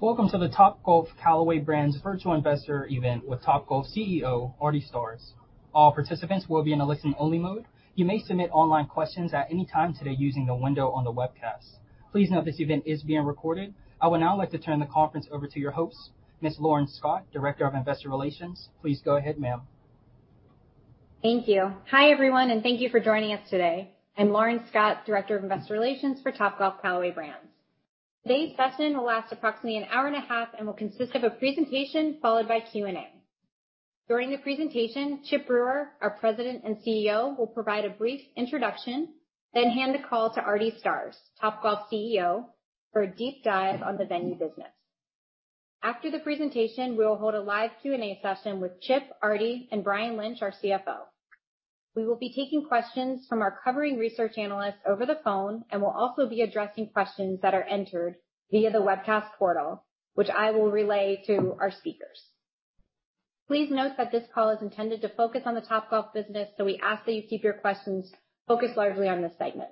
Welcome to the Topgolf Callaway Brands Virtual Investor Event with Topgolf CEO, Artie Starrs. All participants will be in a listen-only mode. You may submit online questions at any time today using the window on the webcast. Please note, this event is being recorded. I would now like to turn the conference over to your host, Ms. Lauren Scott, Director of Investor Relations. Please go ahead, ma'am. Thank you. Hi, everyone, and thank you for joining us today. I'm Lauren Scott, Director of Investor Relations for Topgolf Callaway Brands. Today's session will last approximately an hour and a half and will consist of a presentation followed by Q&A. During the presentation, Chip Brewer, our President and CEO, will provide a brief introduction, then hand the call to Artie Starrs, Topgolf's CEO, for a deep dive on the venue business. After the presentation, we will hold a live Q&A session with Chip, Artie, and Brian Lynch, our CFO. We will be taking questions from our covering research analysts over the phone and will also be addressing questions that are entered via the webcast portal, which I will relay to our speakers. Please note that this call is intended to focus on the Topgolf business, so we ask that you keep your questions focused largely on this segment.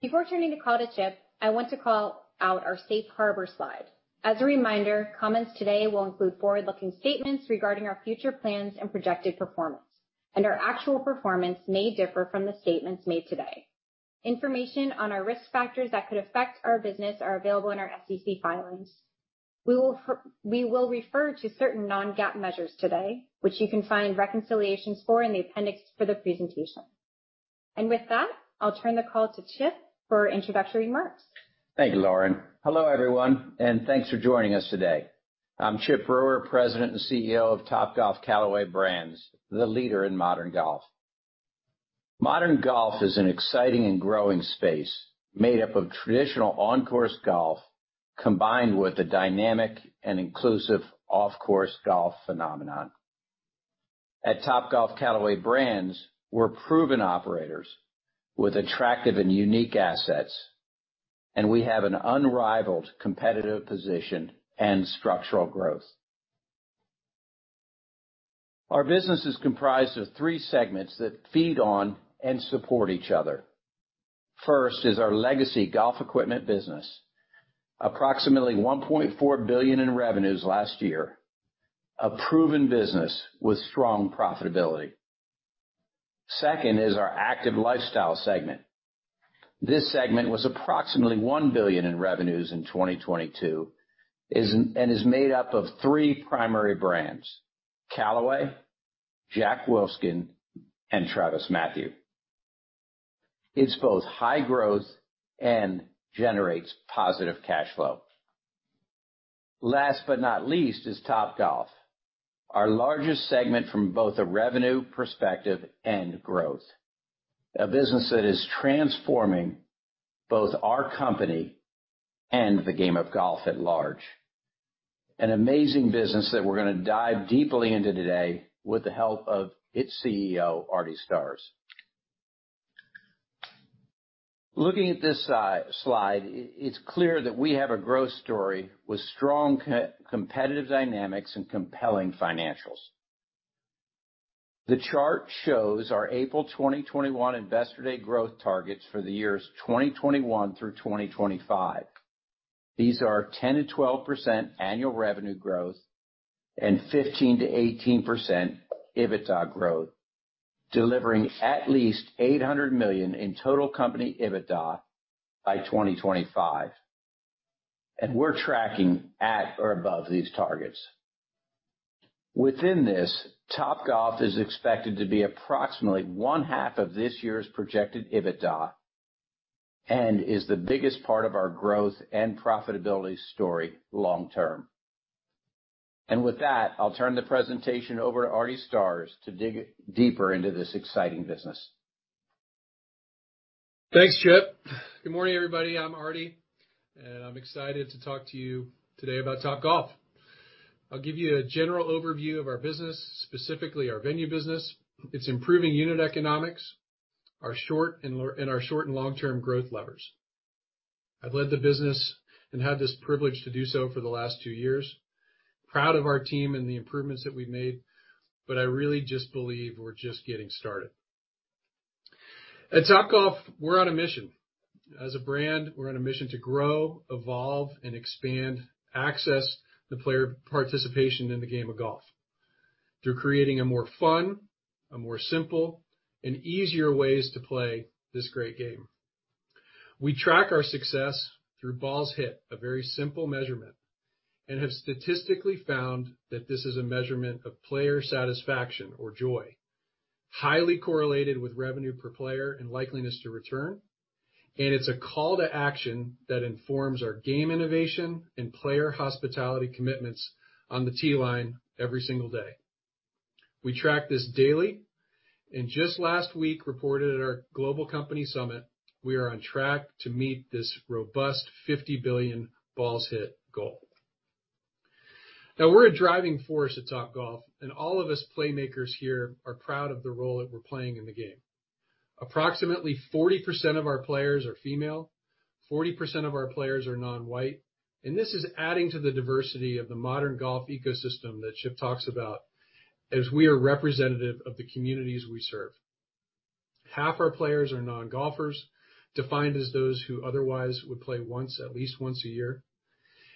Before turning the call to Chip, I want to call out our Safe Harbor slide. As a reminder, comments today will include forward-looking statements regarding our future plans and projected performance, and our actual performance may differ from the statements made today. Information on our risk factors that could affect our business are available in our SEC filings. We will refer to certain non-GAAP measures today, which you can find reconciliations for in the appendix for the presentation. With that, I'll turn the call to Chip for introductory remarks. Thank you, Lauren. Hello, everyone, thanks for joining us today. I'm Chip Brewer, President and CEO of Topgolf Callaway Brands, the leader in modern golf. Modern golf is an exciting and growing space made up of traditional on-course golf, combined with a dynamic and inclusive off-course golf phenomenon. At Topgolf Callaway Brands, we're proven operators with attractive and unique assets, we have an unrivaled competitive position and structural growth. Our business is comprised of three segments that feed on and support each other. First is our legacy golf equipment business, approximately $1.4 billion in revenues last year, a proven business with strong profitability. Second is our active lifestyle segment. This segment was approximately $1 billion in revenues in 2022, and is made up of three primary brands: Callaway, Jack Wolfskin, and TravisMathew. It's both high growth and generates positive cash flow. Last but not least is Topgolf, our largest segment from both a revenue perspective and growth. A business that is transforming both our company and the game of golf at large. An amazing business that we're going to dive deeply into today with the help of its CEO, Artie Starrs. Looking at this slide, it's clear that we have a growth story with strong competitive dynamics and compelling financials. The chart shows our April 2021 Investor Day growth targets for the years 2021 through 2025. These are 10% to 12% annual revenue growth and 15% to 18% EBITDA growth, delivering at least $800 million in total company EBITDA by 2025. We're tracking at or above these targets. Within this, Topgolf is expected to be approximately one half of this year's projected EBITDA and is the biggest part of our growth and profitability story long term. With that, I'll turn the presentation over to Artie Starrs to dig deeper into this exciting business. Thanks, Chip. Good morning, everybody. I'm Artie, and I'm excited to talk to you today about Topgolf. I'll give you a general overview of our business, specifically our venue business, its improving unit economics, our short and long-term growth levers. I've led the business and had this privilege to do so for the last two years. Proud of our team and the improvements that we've made, but I really just believe we're just getting started. At Topgolf, we're on a mission. As a brand, we're on a mission to grow, evolve, and expand access to player participation in the game of golf through creating a more fun, a more simple, and easier ways to play this great game. We track our success through balls hit, a very simple measurement, and have statistically found that this is a measurement of player satisfaction or joy, highly correlated with revenue per player and likeliness to return, and it's a call to action that informs our game innovation and player hospitality commitments on the tee line every single day. We track this daily, and just last week reported at our global company summit, we are on track to meet this robust 50 billion balls hit goal. We're a driving force at Topgolf, and all of us playmakers here are proud of the role that we're playing in the game. Approximately 40% of our players are female, 40% of our players are non-white, and this is adding to the diversity of the modern golf ecosystem that Chip talks about as we are representative of the communities we serve. Half our players are non-golfers, defined as those who otherwise would play once, at least once a year.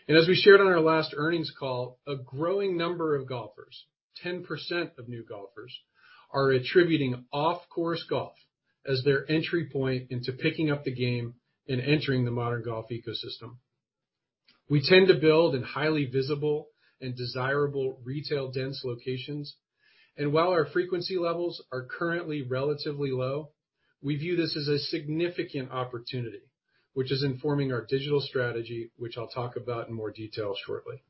As we shared on our last earnings call, a growing number of golfers, 10% of new golfers, are attributing off-course golf as their entry point into picking up the game and entering the modern golf ecosystem. We tend to build in highly visible and desirable retail-dense locations, and while our frequency levels are currently relatively low, we view this as a significant opportunity, which is informing our digital strategy, which I'll talk about in more detail shortly.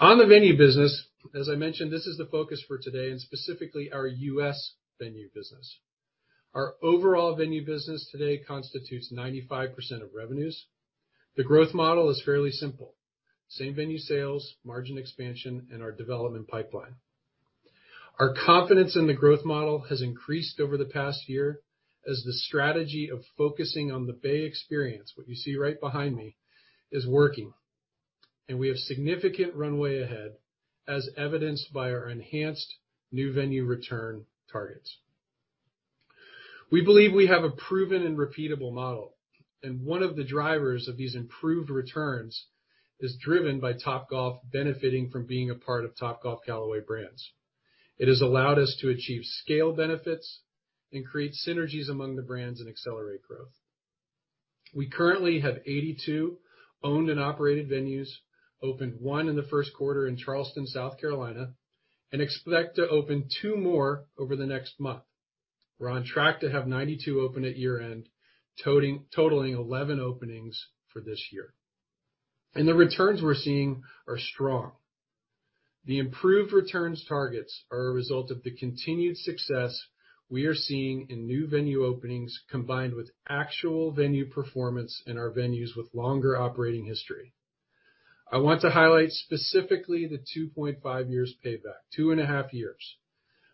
On the venue business, as I mentioned, this is the focus for today, and specifically our US venue business. Our overall venue business today constitutes 95% of revenues. The growth model is fairly simple: same venue sales, margin expansion, and our development pipeline. Our confidence in the growth model has increased over the past year as the strategy of focusing on the bay experience, what you see right behind me, is working, and we have significant runway ahead, as evidenced by our enhanced new venue return targets. We believe we have a proven and repeatable model, and one of the drivers of these improved returns is driven by Topgolf benefiting from being a part of Topgolf Callaway Brands. It has allowed us to achieve scale benefits and create synergies among the brands and accelerate growth. We currently have 82 owned and operated venues, opened 1 in the 1st quarter in Charleston, South Carolina, and expect to open 2 more over the next month. We're on track to have 92 open at year-end, totaling 11 openings for this year. The returns we're seeing are strong. The improved returns targets are a result of the continued success we are seeing in new venue openings, combined with actual venue performance in our venues with longer operating history. I want to highlight specifically the 2.5 years payback, 2.5 years.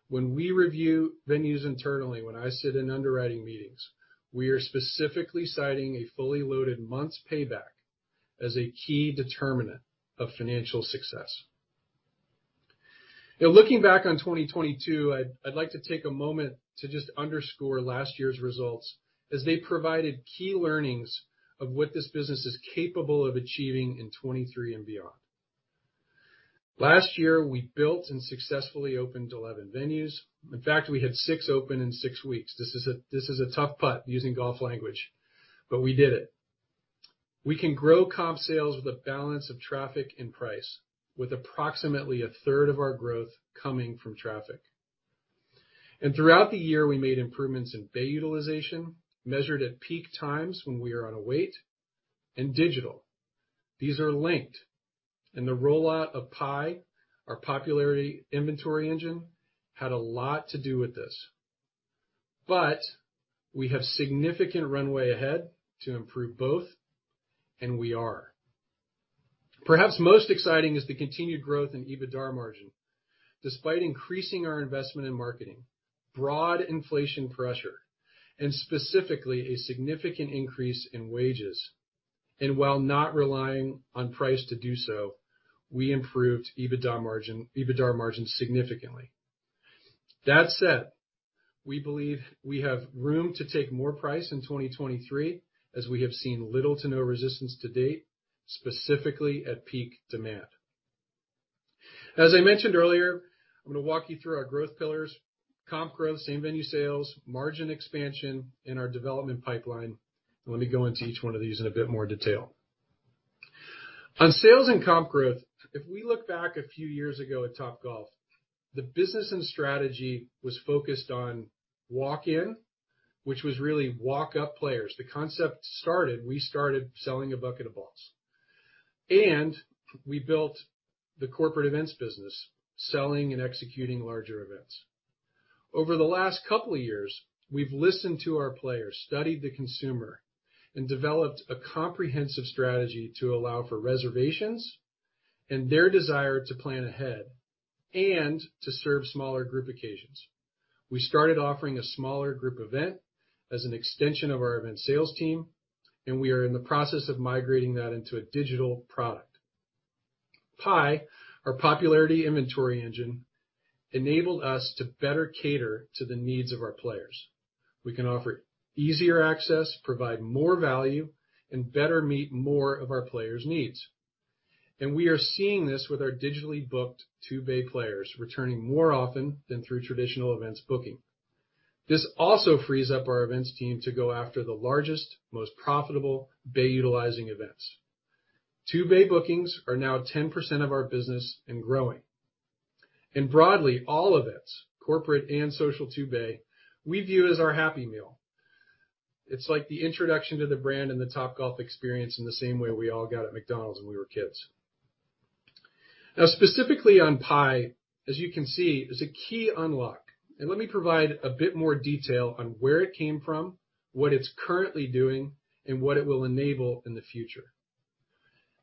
When we review venues internally, when I sit in underwriting meetings, we are specifically citing a fully loaded month's payback as a key determinant of financial success. Looking back on 2022, I'd like to take a moment to just underscore last year's results as they provided key learnings of what this business is capable of achieving in 2023 and beyond. Last year, we built and successfully opened 11 venues. In fact, we had six open in six weeks. This is a tough putt using golf language, but we did it. We can grow comp sales with a balance of traffic and price, with approximately a third of our growth coming from traffic. Throughout the year, we made improvements in bay utilization, measured at peak times when we are on a wait, and digital. These are linked, the rollout of PIE, our Popularity Inventory Engine, had a lot to do with this. We have significant runway ahead to improve both, and we are. Perhaps most exciting is the continued growth in EBITDA margin. Despite increasing our investment in marketing, broad inflation pressure, and specifically a significant increase in wages, and while not relying on price to do so, we improved EBITDA margin significantly. That said, we believe we have room to take more price in 2023, as we have seen little to no resistance to date, specifically at peak demand. As I mentioned earlier, I'm going to walk you through our growth pillars, comp growth, same venue sales, margin expansion, and our development pipeline. Let me go into each one of these in a bit more detail. On sales and comp growth, if we look back a few years ago at Topgolf, the business and strategy was focused on walk-in, which was really walk-up players. The concept started, we started selling a bucket of balls, and we built the corporate events business, selling and executing larger events. Over the last couple of years, we've listened to our players, studied the consumer, and developed a comprehensive strategy to allow for reservations and their desire to plan ahead and to serve smaller group occasions. We started offering a smaller group event as an extension of our event sales team, and we are in the process of migrating that into a digital product. PIE, our Popularity Inventory Engine, enabled us to better cater to the needs of our players. We can offer easier access, provide more value, and better meet more of our players' needs. We are seeing this with our digitally booked 2-bay players, returning more often than through traditional events booking. This also frees up our events team to go after the largest, most profitable bay-utilizing events. 2-bay bookings are now 10% of our business and growing. Broadly, all events, corporate and social 2-bay, we view as our happy meal. It's like the introduction to the brand and the Topgolf experience in the same way we all got at McDonald's when we were kids. Specifically on PIE, as you can see, is a key unlock, and let me provide a bit more detail on where it came from, what it's currently doing, and what it will enable in the future.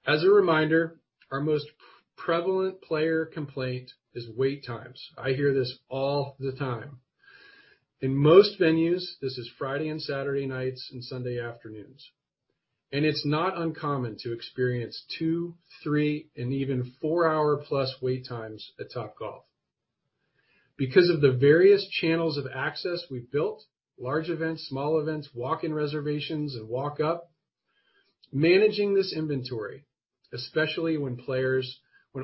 As a reminder, our most prevalent player complaint is wait times. I hear this all the time. In most venues, this is Friday and Saturday nights and Sunday afternoons. It's not uncommon to experience 2, 3, and even 4-hour plus wait times at Topgolf. Because of the various channels of access we've built, large events, small events, walk-in reservations, and walk-up, managing this inventory, especially when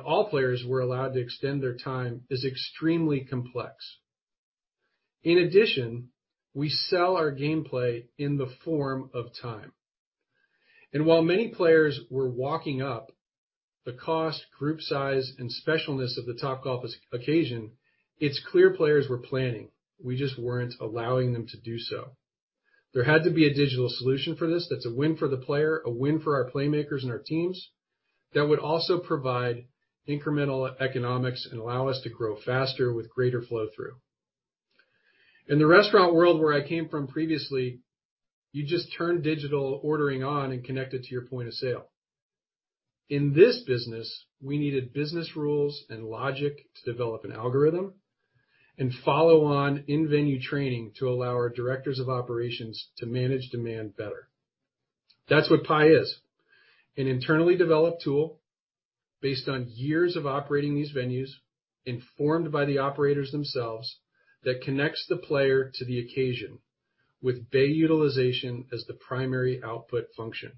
all players were allowed to extend their time, is extremely complex. In addition, we sell our gameplay in the form of time, and while many players were walking up, the cost, group size, and specialness of the Topgolf occasion, it's clear players were planning. We just weren't allowing them to do so. There had to be a digital solution for this that's a win for the player, a win for our playmakers and our teams, that would also provide incremental economics and allow us to grow faster with greater flow through. In the restaurant world, where I came from previously, you just turned digital ordering on and connected to your point of sale. In this business, we needed business rules and logic to develop an algorithm and follow on in-venue training to allow our directors of operations to manage demand better. That's what PIE is, an internally developed tool based on years of operating these venues, informed by the operators themselves, that connects the player to the occasion with bay utilization as the primary output function.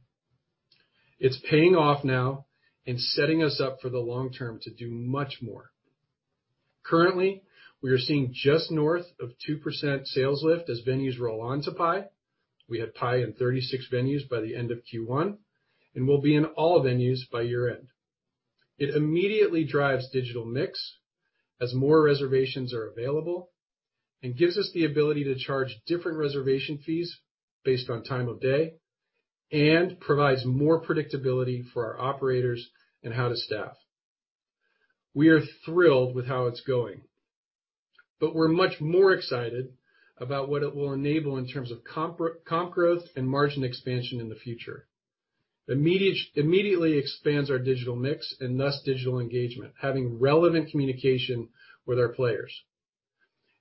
It's paying off now and setting us up for the long term to do much more. Currently, we are seeing just north of 2% sales lift as venues roll onto PIE. We had PIE in 36 venues by the end of Q1, and will be in all venues by year-end. It immediately drives digital mix as more reservations are available and gives us the ability to charge different reservation fees based on time of day, and provides more predictability for our operators in how to staff. We are thrilled with how it's going, but we're much more excited about what it will enable in terms of comp growth and margin expansion in the future. Immediately expands our digital mix and thus digital engagement, having relevant communication with our players.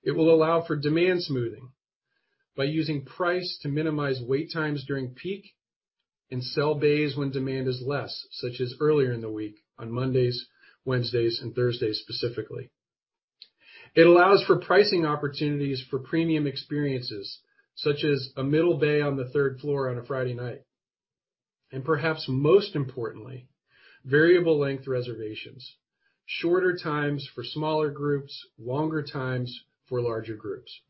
It will allow for demand smoothing by using price to minimize wait times during peak and sell bays when demand is less, such as earlier in the week on Mondays, Wednesdays, and Thursdays, specifically. It allows for pricing opportunities for premium experiences, such as a middle bay on the third floor on a Friday night, and perhaps most importantly, variable length reservations, shorter times for smaller groups, longer times for larger groups.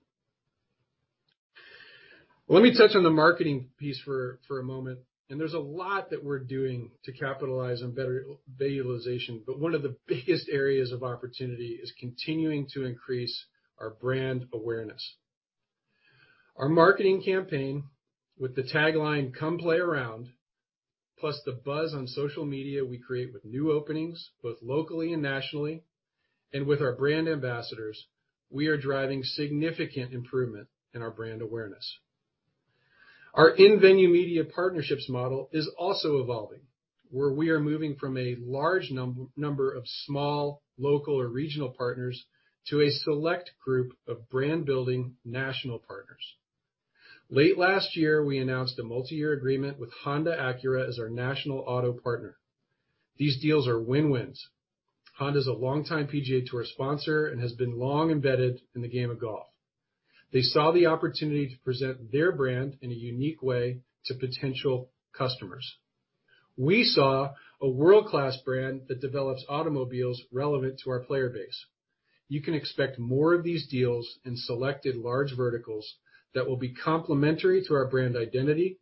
Let me touch on the marketing piece for a moment, and there's a lot that we're doing to capitalize on better bay utilization, but one of the biggest areas of opportunity is continuing to increase our brand awareness. Our marketing campaign with the tagline, "Come Play Around," plus the buzz on social media we create with new openings, both locally and nationally, and with our brand ambassadors, we are driving significant improvement in our brand awareness. Our in-venue media partnerships model is also evolving, where we are moving from a large number of small, local, or regional partners to a select group of brand-building national partners. Late last year, we announced a multi-year agreement with Honda Acura as our national auto partner. These deals are win-wins. Honda is a longtime PGA Tour sponsor and has been long embedded in the game of golf. They saw the opportunity to present their brand in a unique way to potential customers. We saw a world-class brand that develops automobiles relevant to our player base. You can expect more of these deals in selected large verticals that will be complementary to our brand identity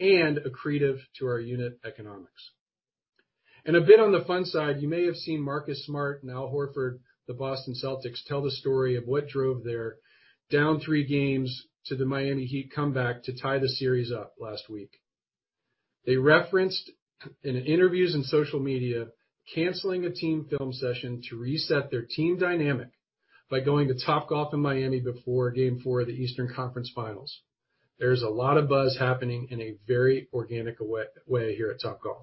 and accretive to our unit economics. A bit on the fun side, you may have seen Marcus Smart and Al Horford, the Boston Celtics, tell the story of what drove their down three games to the Miami Heat comeback to tie the series up last week. They referenced in interviews and social media, canceling a team film session to reset their team dynamic by going to Topgolf in Miami before Game four of the Eastern Conference finals. There's a lot of buzz happening in a very organic way here at Topgolf.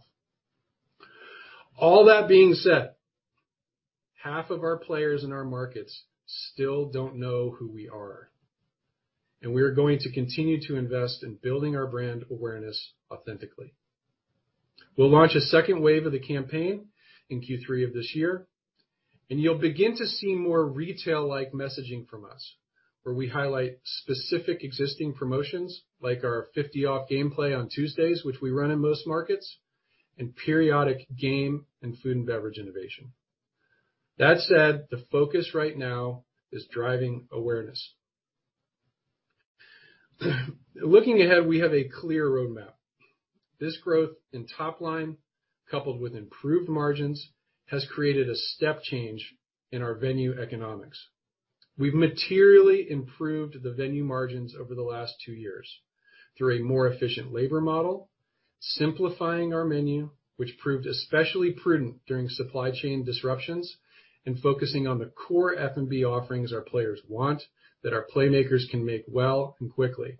That being said, half of our players in our markets still don't know who we are, and we are going to continue to invest in building our brand awareness authentically. We'll launch a second wave of the campaign in Q3 of this year. You'll begin to see more retail-like messaging from us, where we highlight specific existing promotions, like our 50% off gameplay on Tuesdays, which we run in most markets, and periodic game and food and beverage innovation. That said, the focus right now is driving awareness. Looking ahead, we have a clear roadmap. This growth in top line, coupled with improved margins, has created a step change in our venue economics. We've materially improved the venue margins over the last 2 years through a more efficient labor model, simplifying our menu, which proved especially prudent during supply chain disruptions, and focusing on the core F&B offerings our players want, that our playmakers can make well and quickly.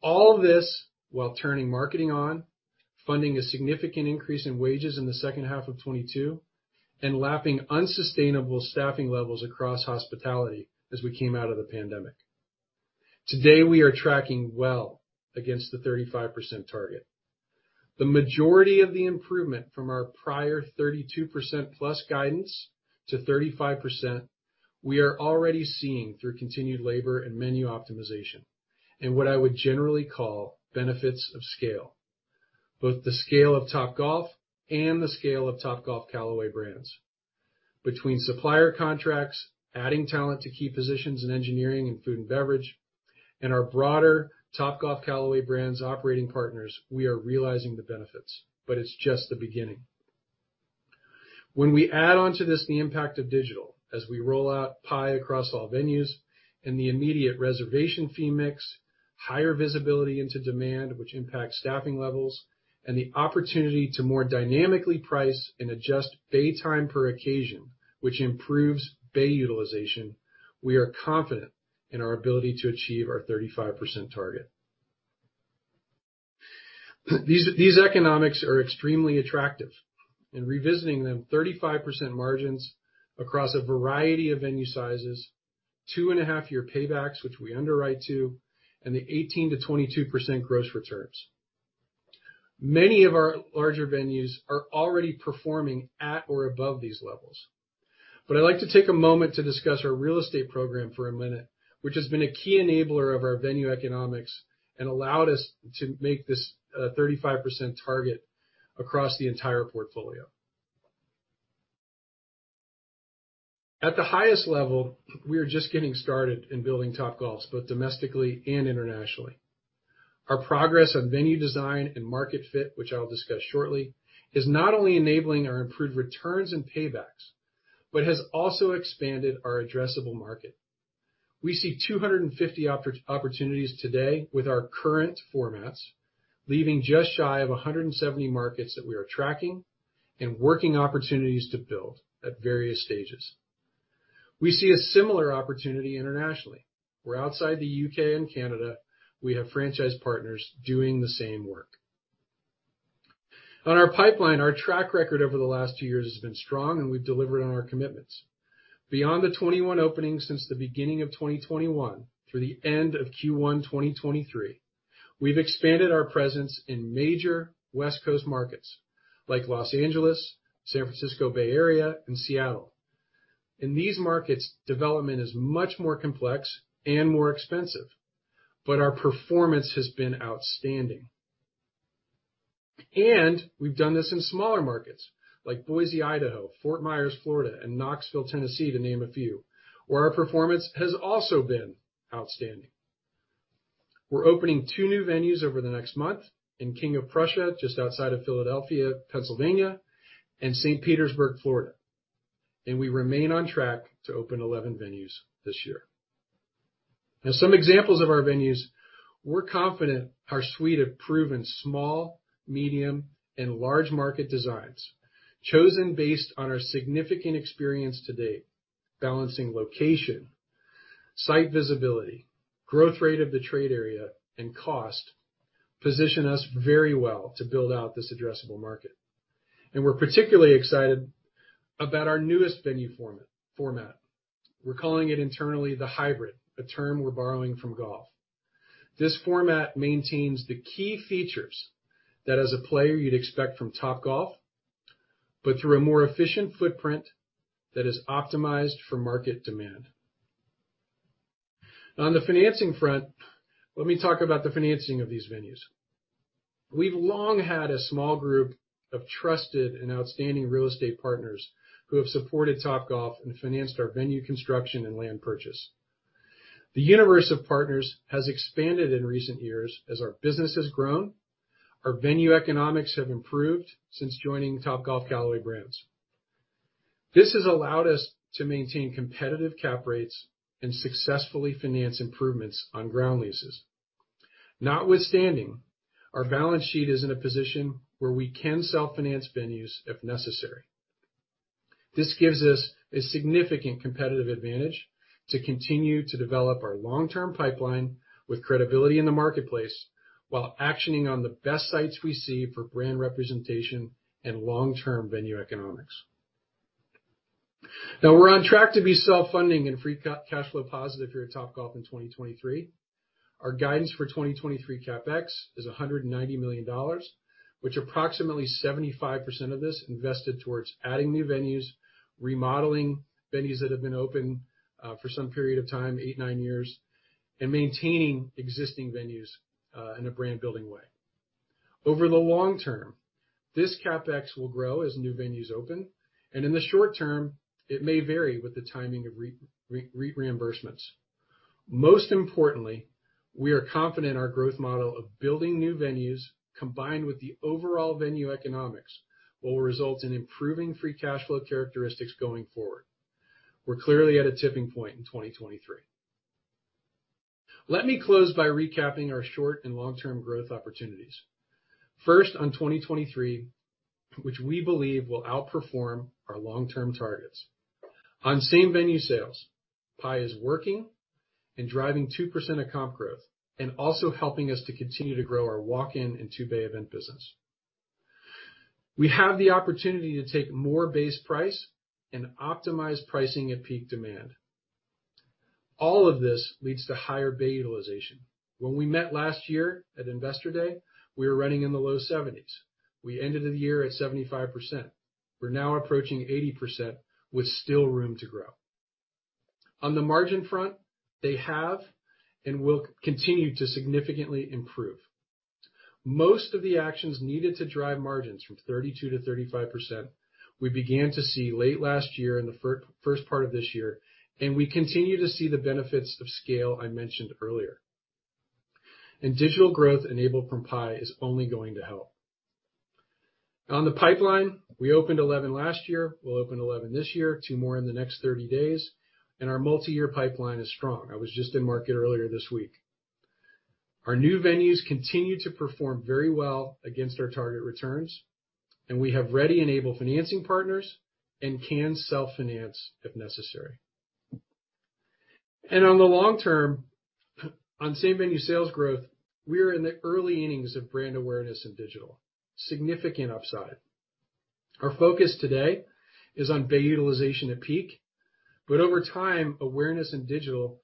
All this while turning marketing on. funding a significant increase in wages in the second half of 2022, lapping unsustainable staffing levels across hospitality as we came out of the pandemic. Today, we are tracking well against the 35% target. The majority of the improvement from our prior 32%+ guidance to 35%, we are already seeing through continued labor and menu optimization, and what I would generally call benefits of scale, both the scale of Topgolf and the scale of Topgolf Callaway Brands. Between supplier contracts, adding talent to key positions in engineering and food and beverage, and our broader Topgolf Callaway Brands operating partners, we are realizing the benefits, but it's just the beginning. When we add onto this, the impact of digital, as we roll out Pi across all venues and the immediate reservation fee mix, higher visibility into demand, which impacts staffing levels, and the opportunity to more dynamically price and adjust bay time per occasion, which improves bay utilization, we are confident in our ability to achieve our 35% target. These economics are extremely attractive, and revisiting them, 35% margins across a variety of venue sizes, two and a half year paybacks, which we underwrite to, and the 18% to 22% gross returns. Many of our larger venues are already performing at or above these levels. I'd like to take a moment to discuss our real estate program for a minute, which has been a key enabler of our venue economics and allowed us to make this 35% target across the entire portfolio. At the highest level, we are just getting started in building Topgolfs, both domestically and internationally. Our progress on venue design and market fit, which I'll discuss shortly, is not only enabling our improved returns and paybacks, but has also expanded our addressable market. We see 250 opportunities today with our current formats, leaving just shy of 170 markets that we are tracking and working opportunities to build at various stages. We see a similar opportunity internationally, where outside the UK and Canada, we have franchise partners doing the same work. On our pipeline, our track record over the last two years has been strong, and we've delivered on our commitments. Beyond the 21 openings since the beginning of 2021 through the end of Q1, 2023, we've expanded our presence in major West Coast markets like Los Angeles, San Francisco Bay Area, and Seattle. In these markets, development is much more complex and more expensive, but our performance has been outstanding. We've done this in smaller markets like Boise, Idaho, Fort Myers, Florida, and Knoxville, Tennessee, to name a few, where our performance has also been outstanding. We're opening 2 new venues over the next month in King of Prussia, just outside of Philadelphia, Pennsylvania, and St. Petersburg, Florida, and we remain on track to open 11 venues this year. Some examples of our venues, we're confident our suite of proven small, medium, and large market designs, chosen based on our significant experience to date, balancing location, site visibility, growth rate of the trade area, and cost, position us very well to build out this addressable market. We're particularly excited about our newest venue format. We're calling it internally, the hybrid, a term we're borrowing from golf. This format maintains the key features that, as a player, you'd expect from Topgolf, but through a more efficient footprint that is optimized for market demand. On the financing front, let me talk about the financing of these venues. We've long had a small group of trusted and outstanding real estate partners who have supported Topgolf and financed our venue construction and land purchase. The universe of partners has expanded in recent years as our business has grown. Our venue economics have improved since joining Topgolf Callaway Brands. This has allowed us to maintain competitive cap rates and successfully finance improvements on ground leases. Notwithstanding, our balance sheet is in a position where we can self-finance venues if necessary. This gives us a significant competitive advantage to continue to develop our long-term pipeline with credibility in the marketplace, while actioning on the best sites we see for brand representation and long-term venue economics. Now, we're on track to be self-funding and free cash flow positive here at Topgolf in 2023. Our guidance for 2023 CapEx is $190 million, which approximately 75% of this invested towards adding new venues, remodeling venues that have been open for some period of time, eight, nine years, and maintaining existing venues in a brand building way. Over the long term, this CapEx will grow as new venues open. In the short term, it may vary with the timing of reimbursements. Most importantly, we are confident in our growth model of building new venues, combined with the overall venue economics, will result in improving free cash flow characteristics going forward. We're clearly at a tipping point in 2023. Let me close by recapping our short- and long-term growth opportunities. First, on 2023, which we believe will outperform our long-term targets. On same-venue sales, PIE is working and driving 2% of comp growth and also helping us to continue to grow our walk-in and two-bay event business. We have the opportunity to take more base price and optimize pricing at peak demand. All of this leads to higher bay utilization. When we met last year at Investor Day, we were running in the low 70s. We ended the year at 75%. We're now approaching 80%, with still room to grow. On the margin front, they have and will continue to significantly improve. Most of the actions needed to drive margins from 32% to 35%, we began to see late last year in the first part of this year, and we continue to see the benefits of scale I mentioned earlier. Digital growth enabled from PIE is only going to help. On the pipeline, we opened 11 last year, we'll open 11 this year, two more in the next 30 days, and our multiyear pipeline is strong. I was just in market earlier this week. Our new venues continue to perform very well against our target returns. We have ready-enabled financing partners and can self-finance if necessary. On the long term, on same-venue sales growth, we are in the early innings of brand awareness and digital. Significant upside. Our focus today is on bay utilization at peak, but over time, awareness and digital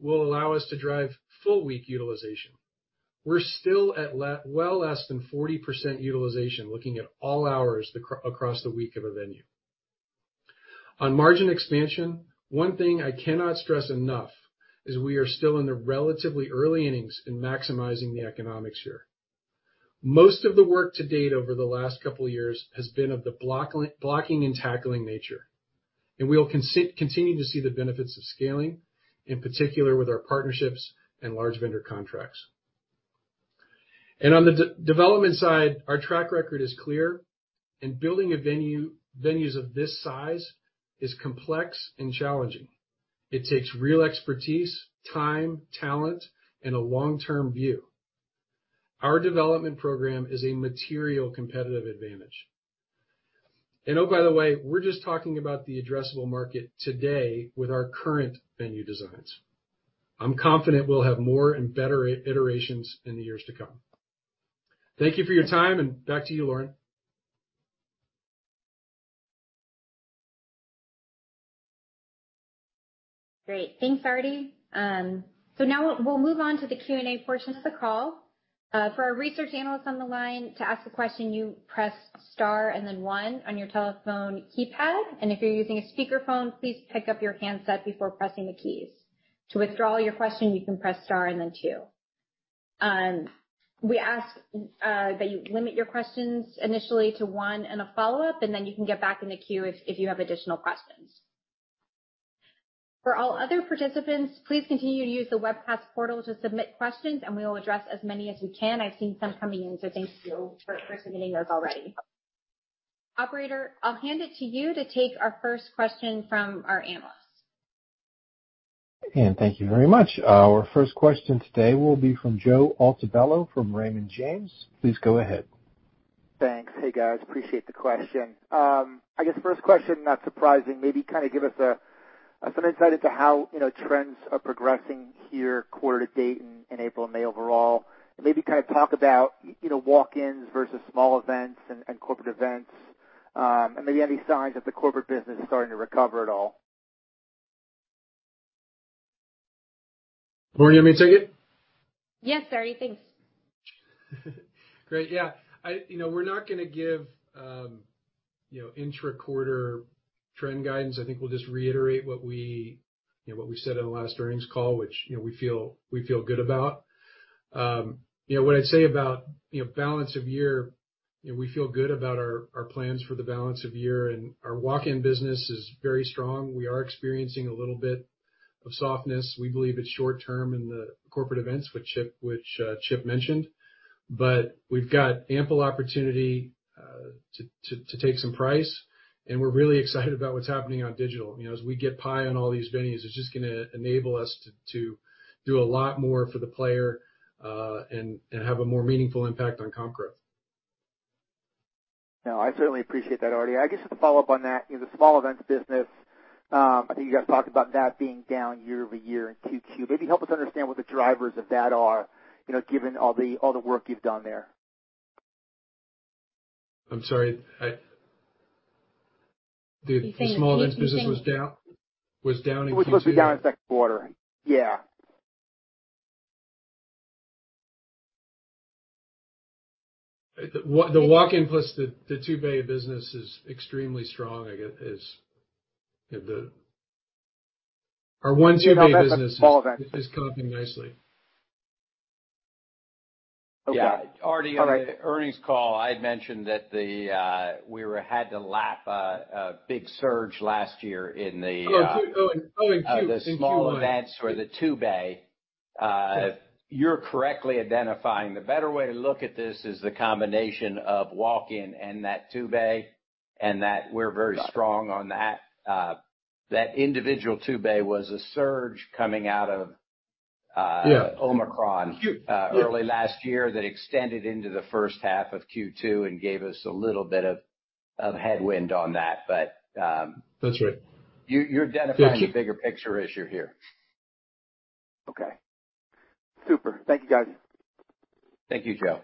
will allow us to drive full week utilization. We're still at well less than 40% utilization, looking at all hours across the week of a venue. On margin expansion, one thing I cannot stress enough is we are still in the relatively early innings in maximizing the economics here. Most of the work to date over the last couple of years has been of the blocking and tackling nature. We'll continue to see the benefits of scaling, in particular with our partnerships and large vendor contracts. On the development side, our track record is clear, and building venues of this size is complex and challenging. It takes real expertise, time, talent, and a long-term view. Our development program is a material competitive advantage. Oh, by the way, we're just talking about the addressable market today with our current venue designs. I'm confident we'll have more and better iterations in the years to come. Thank you for your time, and back to you, Lauren. Great. Thanks, Artie. Now we'll move on to the Q&A portion of the call. For our research analysts on the line, to ask a question, you press star and then one on your telephone keypad. If you're using a speakerphone, please pick up your handset before pressing the keys. To withdraw your question, you can press star and then two. We ask that you limit your questions initially to one and a follow-up, and then you can get back in the queue if you have additional questions. All other participants, please continue to use the webcast portal to submit questions, and we will address as many as we can. I've seen some coming in, so thank you for submitting those already. Operator, I'll hand it to you to take our first question from our analyst. Thank you very much. Our first question today will be from Joe Altobello from Raymond James. Please go ahead. Thanks. Hey, guys, appreciate the question. I guess first question, not surprising. Maybe kind of give us some insight into how, you know, trends are progressing here quarter to date in April and May overall. Maybe kind of talk about, you know, walk-ins versus small events and corporate events, and maybe any signs of the corporate business starting to recover at all? Lauren, you want me to take it? Yes, Artie, thanks. Great, yeah. you know, we're not gonna give, you know, intra-quarter trend guidance. I think we'll just reiterate what we, you know, what we said in the last earnings call, which, you know, we feel good about. you know, what I'd say about, you know, balance of year, you know, we feel good about our plans for the balance of year. Our walk-in business is very strong. We are experiencing a little bit of softness. We believe it's short term in the corporate events, which Chip mentioned. We've got ample opportunity to take some price, and we're really excited about what's happening on digital. You know, as we get PIE on all these venues, it's just gonna enable us to do a lot more for the player, and have a more meaningful impact on comp growth. No, I certainly appreciate that, Artie. I guess, just to follow up on that, you know, the small events business, I think you guys talked about that being down year-over-year in Q2. Maybe help us understand what the drivers of that are, you know, given all the, all the work you've done there? I'm sorry. The small events business- He's saying- Was down in Q2. It was mostly down in second quarter, yeah. The walk-in plus the two-bay business is extremely strong, I guess. The our one two-bay business. Small event. Is coming in nicely. Okay. Yeah, Artie, on the earnings call, I had mentioned that the, we had to lap a big surge last year in the. Oh, in Q1. The small events for the two-bay. You're correctly identifying. The better way to look at this is the combination of walk-in and that two-bay, and that we're very strong on that. That individual two-bay was a surge coming out of Omicron early last year that extended into the first half of Q2 and gave us a little bit of headwind on that, but. That's right. You're. Thank you. The bigger picture issue here. Okay. Super. Thank you, guys. Thank you, Joe.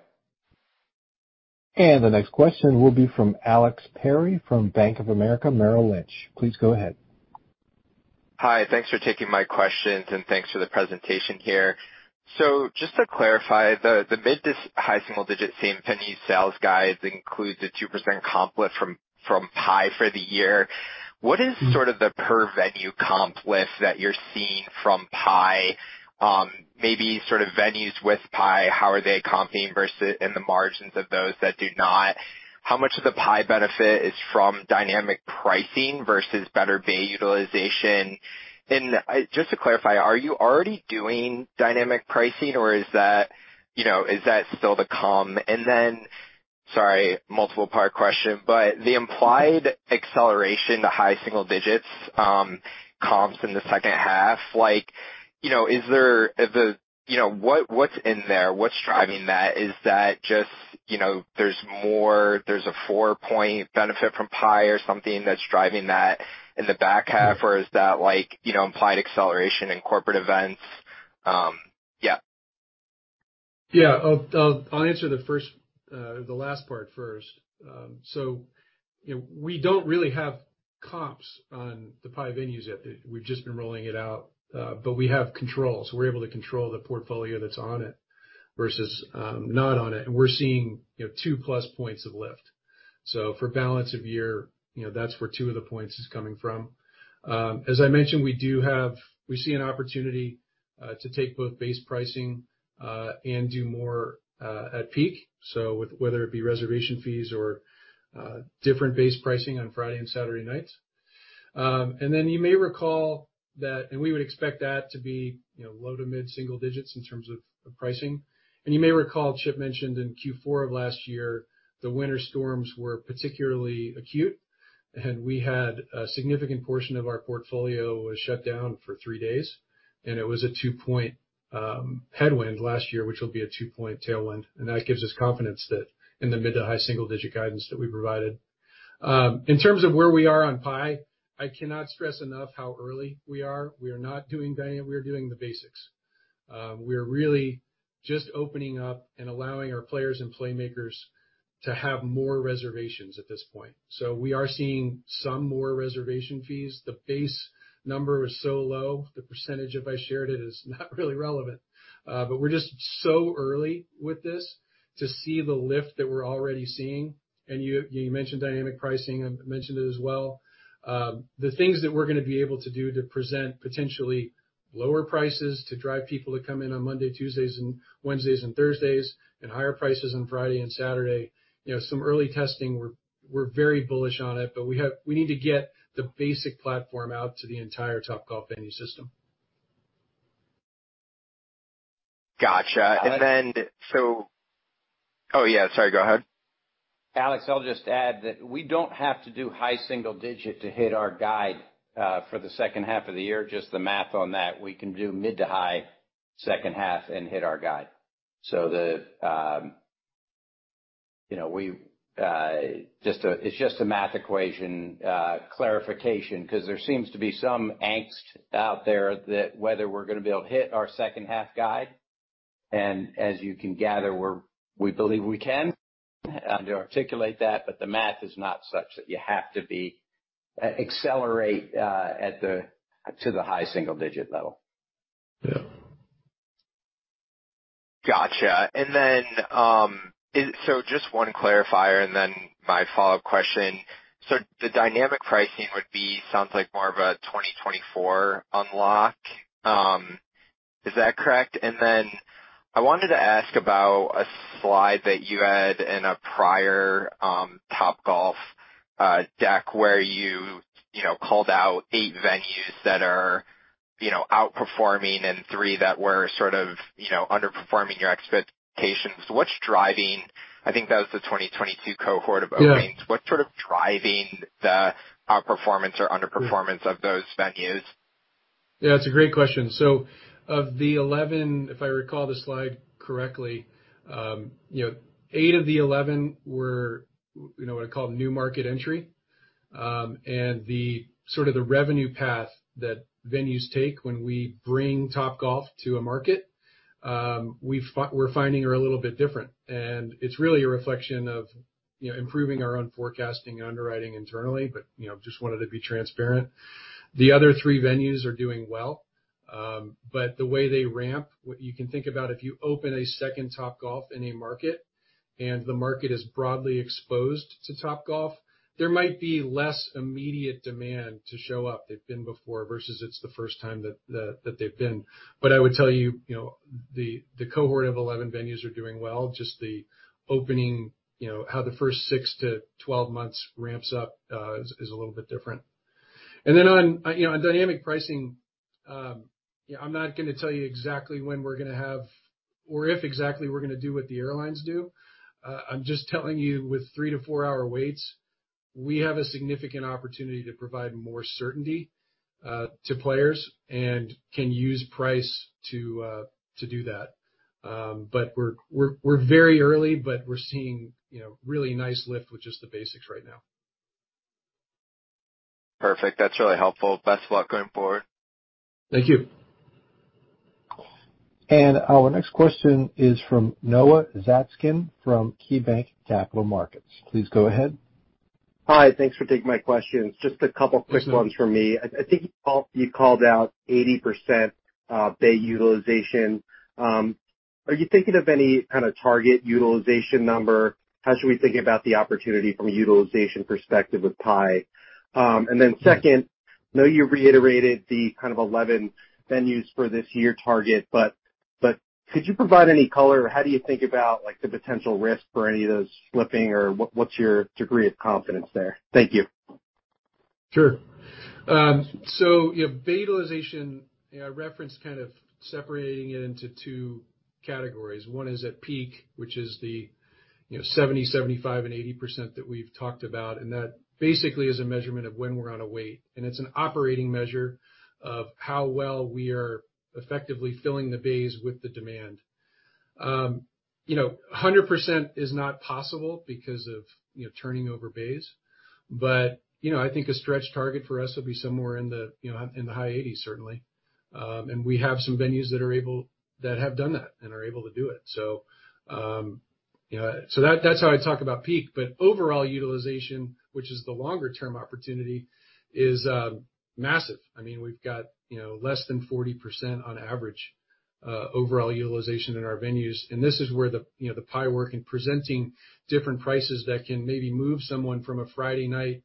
The next question will be from Alex Perry from Bank of America Securities. Please go ahead. Hi, thanks for taking my questions, and thanks for the presentation here. Just to clarify, the mid to high single digit same-venue sales guide includes a 2% comp lift from PIE for the year. Mm-hmm. What is sort of the per venue comp lift that you're seeing from PIE? Maybe sort of venues with PIE, how are they comping versus in the margins of those that do not? How much of the PIE benefit is from dynamic pricing versus better bay utilization? Just to clarify, are you already doing dynamic pricing, or is that, you know, is that still to come? Sorry, multiple part question, but the implied acceleration to high single digits comps in the second half, like, you know, is there? You know, what's in there? What's driving that? Is that just, you know, there's more, there's a 4-point benefit from PIE or something that's driving that in the back half? Or is that like, you know, implied acceleration in corporate events? Yeah. I'll answer the first, the last part first. You know, we don't really have comps on the PIE venues yet. We've just been rolling it out, but we have control, so we're able to control the portfolio that's on it versus not on it. We're seeing, you know, 2-plus points of lift. For balance of year, you know, that's where 2 of the points is coming from. As I mentioned, we do have, we see an opportunity to take both base pricing and do more at peak. Whether it be reservation fees or different base pricing on Friday and Saturday nights. Then you may recall that, and we would expect that to be, you know, low to mid single digits in terms of pricing. You may recall, Chip mentioned in Q4 of last year, the winter storms were particularly acute, and we had a significant portion of our portfolio was shut down for 3 days, and it was a 2-point headwind last year, which will be a 2-point tailwind. That gives us confidence that in the mid to high single digit guidance that we provided. In terms of where we are on PIE, I cannot stress enough how early we are. We are not doing dynamic. We are doing the basics. We are really just opening up and allowing our players and playmakers to have more reservations at this point. We are seeing some more reservation fees. The base number is so low, the %, if I shared it, is not really relevant. We're just so early with this to see the lift that we're already seeing. You mentioned dynamic pricing. I've mentioned it as well. The things that we're going to be able to do to present potentially lower prices to drive people to come in on Monday, Tuesdays, and Wednesdays and Thursdays, and higher prices on Friday and Saturday, you know, some early testing, we're very bullish on it, but we need to get the basic platform out to the entire Topgolf venue system. Gotcha. And- Yeah, sorry. Go ahead. Alex, I'll just add that we don't have to do high single digit to hit our guide for the second half of the year. Just the math on that, we can do mid to high second half and hit our guide. You know, it's just a math equation, clarification, because there seems to be some angst out there that whether we're going to be able to hit our second half guide, and as you can gather, we're, we believe we can, and to articulate that, but the math is not such that you have to be, accelerate, to the high single digit level. Yeah. Gotcha. Just one clarifier and then my follow-up question. The dynamic pricing would be, sounds like more of a 2024 unlock. Is that correct? I wanted to ask about a slide that you had in a prior Topgolf deck, where you know, called out 8 venues that are, you know, outperforming and 3 that were sort of, you know, underperforming your expectations. What's driving... I think that was the 2022 cohort of openings. Yeah. What's sort of driving the outperformance or underperformance of those venues? Yeah, it's a great question. Of the 11, if I recall the slide correctly, you know, eight of the 11 were, you know, what I call new market entry. The sort of the revenue path that venues take when we bring Topgolf to a market, we're finding are a little bit different. It's really a reflection of, you know, improving our own forecasting and underwriting internally, but, you know, just wanted to be transparent. The other three venues are doing well, but the way they ramp, what you can think about if you open a second Topgolf in a market, and the market is broadly exposed to Topgolf, there might be less immediate demand to show up. They've been before versus it's the first time that they've been. I would tell you know, the cohort of 11 venues are doing well. Just the opening, you know, how the first 6 to 12 months ramps up, is a little bit different. On, you know, on dynamic pricing, you know, I'm not going to tell you exactly when we're going to have or if exactly, we're going to do what the airlines do. I'm just telling you with 3-to-4-hour waits. We have a significant opportunity to provide more certainty to players and can use price to do that. We're very early, but we're seeing, you know, really nice lift with just the basics right now. Perfect. That's really helpful. Best of luck going forward. Thank you. Our next question is from Noah Zatzkin, from KeyBanc Capital Markets. Please go ahead. Hi, thanks for taking my questions. Just a couple quick ones from me. Sure. I think you called out 80% bay utilization. Are you thinking of any kind of target utilization number? How should we think about the opportunity from a utilization perspective with PI? Second, I know you reiterated the kind of 11 venues for this year target, but could you provide any color, or how do you think about, like, the potential risk for any of those slipping, or what's your degree of confidence there? Thank you. Sure. You know, bay utilization, I referenced kind of separating it into two categories. One is at peak, which is the, you know, 70%, 75%, and 80% that we've talked about, and that basically is a measurement of when we're out of weight, and it's an operating measure of how well we are effectively filling the bays with the demand. You know, 100% is not possible because of, you know, turning over bays, but, you know, I think a stretch target for us will be somewhere in the, you know, in the high 80s, certainly. We have some venues that have done that and are able to do it. You know, so that's how I talk about peak. Overall utilization, which is the longer term opportunity, is massive. I mean, we've got, you know, less than 40% on average, overall utilization in our venues, and this is where the, you know, the PI work in presenting different prices that can maybe move someone from a Friday night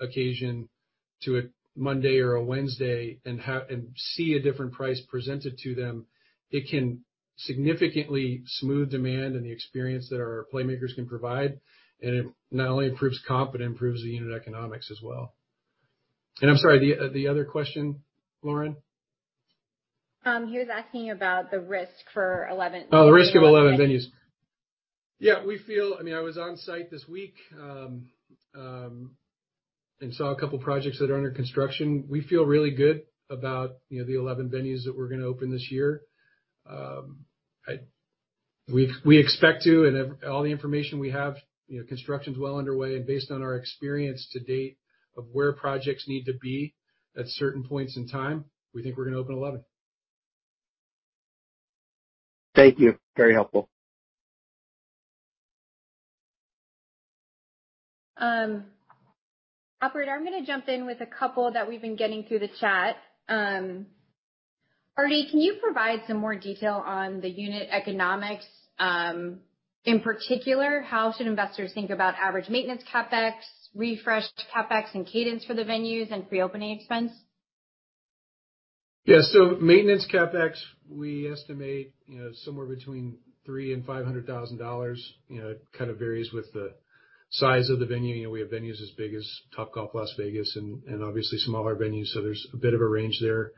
occasion to a Monday or a Wednesday, and see a different price presented to them. It can significantly smooth demand and the experience that our playmakers can provide. It not only improves comp, but it improves the unit economics as well. I'm sorry, the other question, Lauren? He was asking about the risk for 11- Oh, the risk of 11 venues. Yeah, we feel. I mean, I was on site this week, and saw a couple projects that are under construction. We feel really good about, you know, the 11 venues that we're gonna open this year. We expect to, and all the information we have, you know, construction's well underway, and based on our experience to date of where projects need to be at certain points in time, we think we're gonna open 11. Thank you. Very helpful. Operator, I'm gonna jump in with a couple that we've been getting through the chat. Artie, can you provide some more detail on the unit economics? In particular, how should investors think about average maintenance CapEx, refreshed CapEx and cadence for the venues, and pre-opening expense? Maintenance CapEx, we estimate, you know, somewhere between $300,000 and 500,000. You know, it kind of varies with the size of the venue. You know, we have venues as big as Topgolf Las Vegas and obviously smaller venues, so there's a bit of a range there.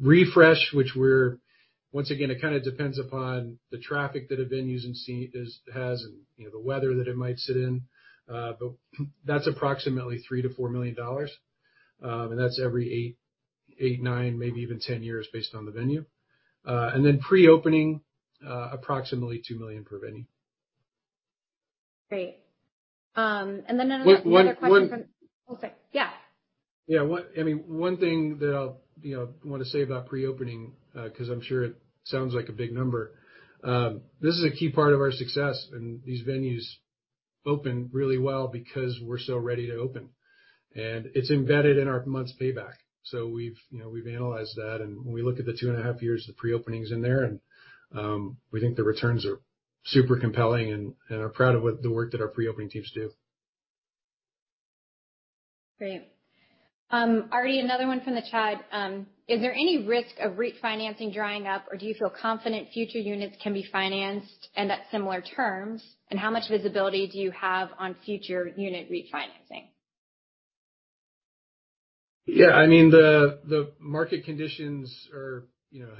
Refresh, which Once again, it kind of depends upon the traffic that a venue is seeing, has and, you know, the weather that it might sit in. That's approximately $3 to 4 million, and that's every 8, 9, maybe even 10 years, based on the venue. Pre-opening, approximately $2 million per venue. Great. Then another question- One One second. Yeah. Yeah. One, I mean, one thing that I'll, you know, want to say about pre-opening, because I'm sure it sounds like a big number. This is a key part of our success, and these venues open really well because we're so ready to open, and it's embedded in our months' payback. We've, you know, we've analyzed that, and when we look at the two and a half years of pre-openings in there, and we think the returns are super compelling and are proud of what the work that our pre-opening teams do. Great. Artie, another one from the chat. Is there any risk of refinancing drying up, or do you feel confident future units can be financed and at similar terms? How much visibility do you have on future unit refinancing? Yeah, I mean, the market conditions are, you know,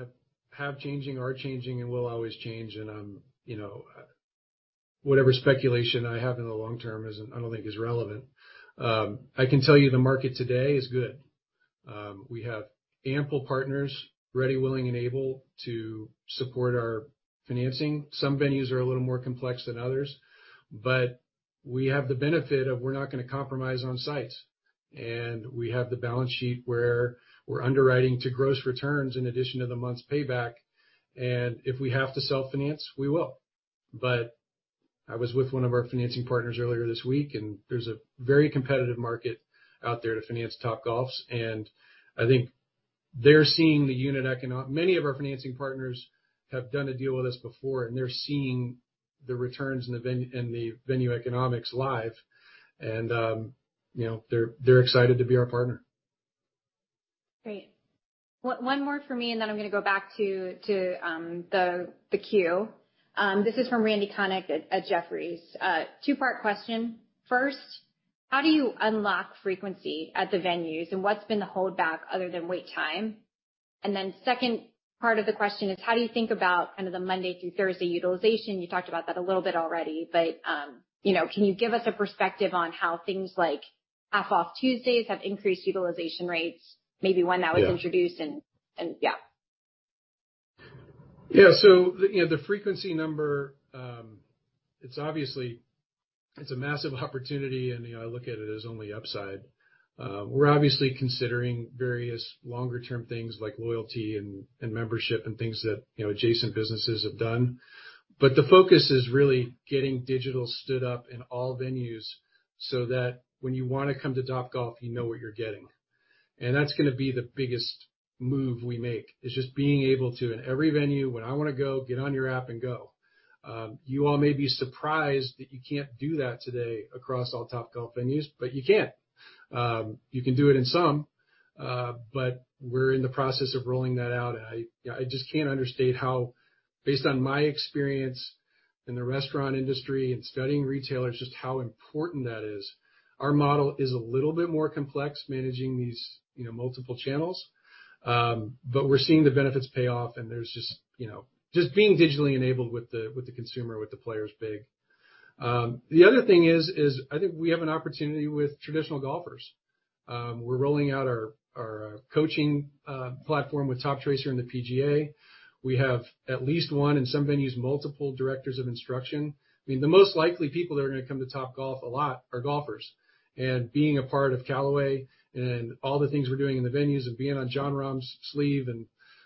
have changing, are changing and will always change. I'm, you know, whatever speculation I have in the long term isn't, I don't think is relevant. I can tell you the market today is good. We have ample partners ready, willing, and able to support our financing. Some venues are a little more complex than others, but we have the benefit of we're not gonna compromise on sites, and we have the balance sheet where we're underwriting to gross returns in addition to the months' payback. If we have to self-finance, we will. I was with one of our financing partners earlier this week, and there's a very competitive market out there to finance Topgolfs, and I think they're seeing the unit economic- many of our financing partners have done a deal with us before, and they're seeing the returns in the venue economics live, and, you know, they're excited to be our partner. Great. One more for me, and then I'm gonna go back to the queue. This is from Randy Konik at Jefferies. Two-part question. First, how do you unlock frequency at the venues, and what's been the holdback other than wait time? Second part of the question is: How do you think about kind of the Monday through Thursday utilization? You talked about that a little bit already, but, you know, can you give us a perspective on how things like Half Price Tuesdays have increased utilization rates, maybe when that was. Yeah. introduced and yeah. Yeah, you know, the frequency number, it's obviously, it's a massive opportunity, and, you know, I look at it as only upside. We're obviously considering various longer term things like loyalty and membership and things that, you know, adjacent businesses have done. The focus is really getting digital stood up in all venues so that when you wanna come to Topgolf, you know what you're getting. That's gonna be the biggest move we make, is just being able to, in every venue, when I wanna go, get on your app and go. You all may be surprised that you can't do that today across all Topgolf venues, but you can't. You can do it in some, but we're in the process of rolling that out. I just can't understate how, based on my experience in the restaurant industry and studying retailers, just how important that is. Our model is a little bit more complex, managing these, you know, multiple channels. We're seeing the benefits pay off, and there's just, you know, just being digitally enabled with the, with the consumer, with the players, big. The other thing is I think we have an opportunity with traditional golfers. We're rolling out our coaching platform with Toptracer and the PGA. We have at least one, in some venues, multiple directors of instruction. I mean, the most likely people that are gonna come to Topgolf a lot are golfers, and being a part of Callaway and all the things we're doing in the venues and being on Jon Rahm's sleeve,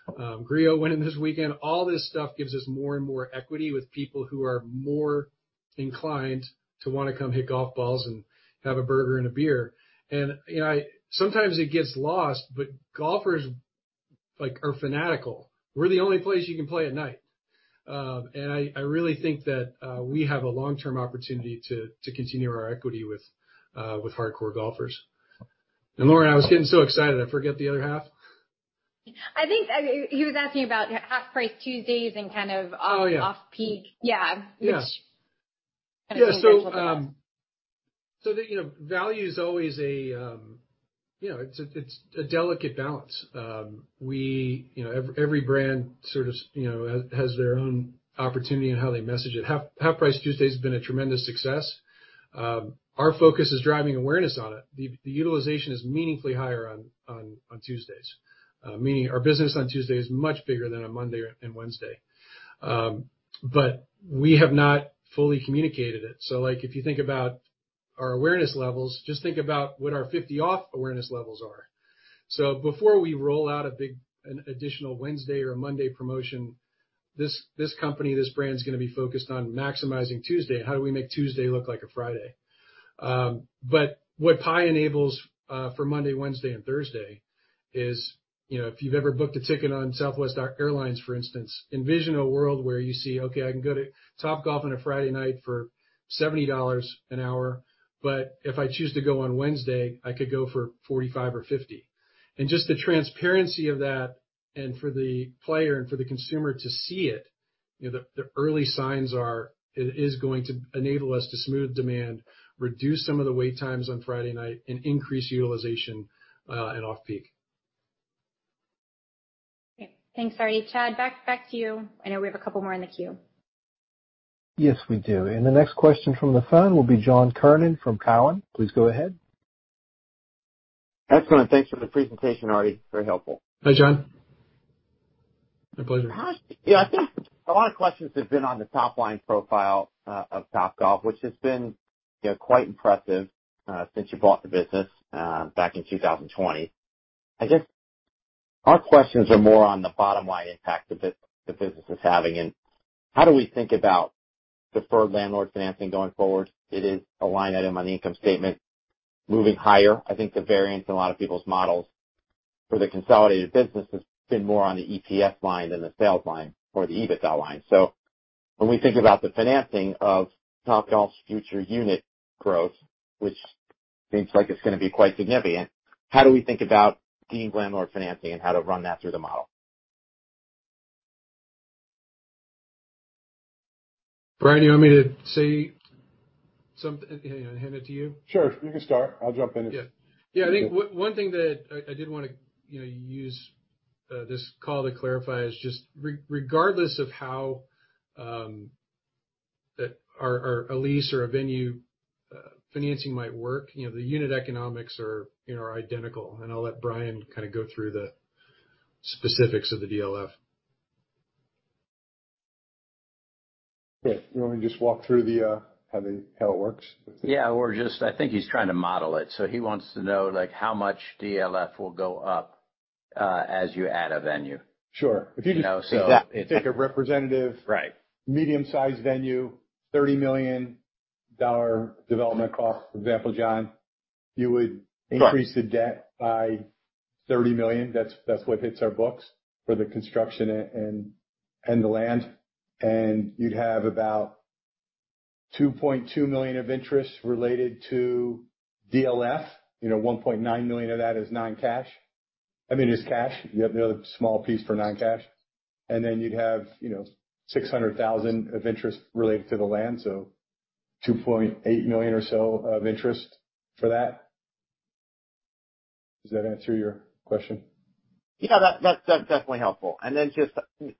Griot winning this weekend, all this stuff gives us more and more equity with people who are more inclined to wanna come hit golf balls and have a burger and a beer. You know, sometimes it gets lost, but golfers, like, are fanatical. We're the only place you can play at night. I really think that we have a long-term opportunity to continue our equity with hardcore golfers. Lauren, I was getting so excited, I forget the other half. I think he was asking about Half Price Tuesdays. Oh, yeah. off peak. Yeah. Yeah. Which The, you know, value is always a, you know, it's a delicate balance. You know, every brand sort of, you know, has their own opportunity in how they message it. Half Price Tuesdays has been a tremendous success. Our focus is driving awareness on it. The utilization is meaningfully higher on Tuesdays. Meaning our business on Tuesday is much bigger than on Monday and Wednesday. We have not fully communicated it. Like, if you think about our awareness levels, just think about what our 50 off awareness levels are. Before we roll out an additional Wednesday or a Monday promotion, this company, this brand is gonna be focused on maximizing Tuesday. How do we make Tuesday look like a Friday? What PIE enables for Monday, Wednesday and Thursday is, you know, if you've ever booked a ticket on Southwest Airlines, for instance, envision a world where you see, okay, I can go to Topgolf on a Friday night for $70 an hour, but if I choose to go on Wednesday, I could go for $45 or $50. Just the transparency of that, and for the player and for the consumer to see it, you know, the early signs are it is going to enable us to smooth demand, reduce some of the wait times on Friday night, and increase utilization at off peak. Okay. Thanks, Ari. Chad, back to you. I know we have a couple more in the queue. Yes, we do. The next question from the phone will be John Kernan from Cowen. Please go ahead. Excellent. Thanks for the presentation, Artie. Very helpful. Hi, John. My pleasure. Yeah, I think a lot of questions have been on the top-line profile of Topgolf, which has been, you know, quite impressive, since you bought the business back in 2020. I guess our questions are more on the bottom line impact the business is having, and how do we think about deferred landlord financing going forward? It is a line item on the income statement. Moving higher, I think the variance in a lot of people's models for the consolidated business has been more on the ETF line than the sales line or the EBITDA line. When we think about the financing of Topgolf's future unit growth, which seems like it's gonna be quite significant, how do we think about deemed landlord financing and how to run that through the model? Brian, you want me to say something, hand it to you? Sure, you can start. I'll jump in. Yeah, I think one thing that I did wanna, you know, use this call to clarify is just regardless of how that or a lease or a venue financing might work, you know, the unit economics are, you know, are identical. I'll let Brian kind of go through the specifics of the DLF. Great. You want me to just walk through how it works? Yeah, or just I think he's trying to model it, so he wants to know, like, how much DLF will go up, as you add a venue. Sure. You know. If you take a representative- Right. medium-sized venue, $30 million development cost, for example, John, you would. Right increase the debt by $30 million. That's what hits our books for the construction and the land. You'd have about $2.2 million of interest related to DLF. You know, $1.9 million of that is non-cash. I mean, is cash. You have another small piece for non-cash, then you'd have, you know, $600,000 of interest related to the land. ... $2.8 million or so of interest for that. Does that answer your question? Yeah, that's definitely helpful. Just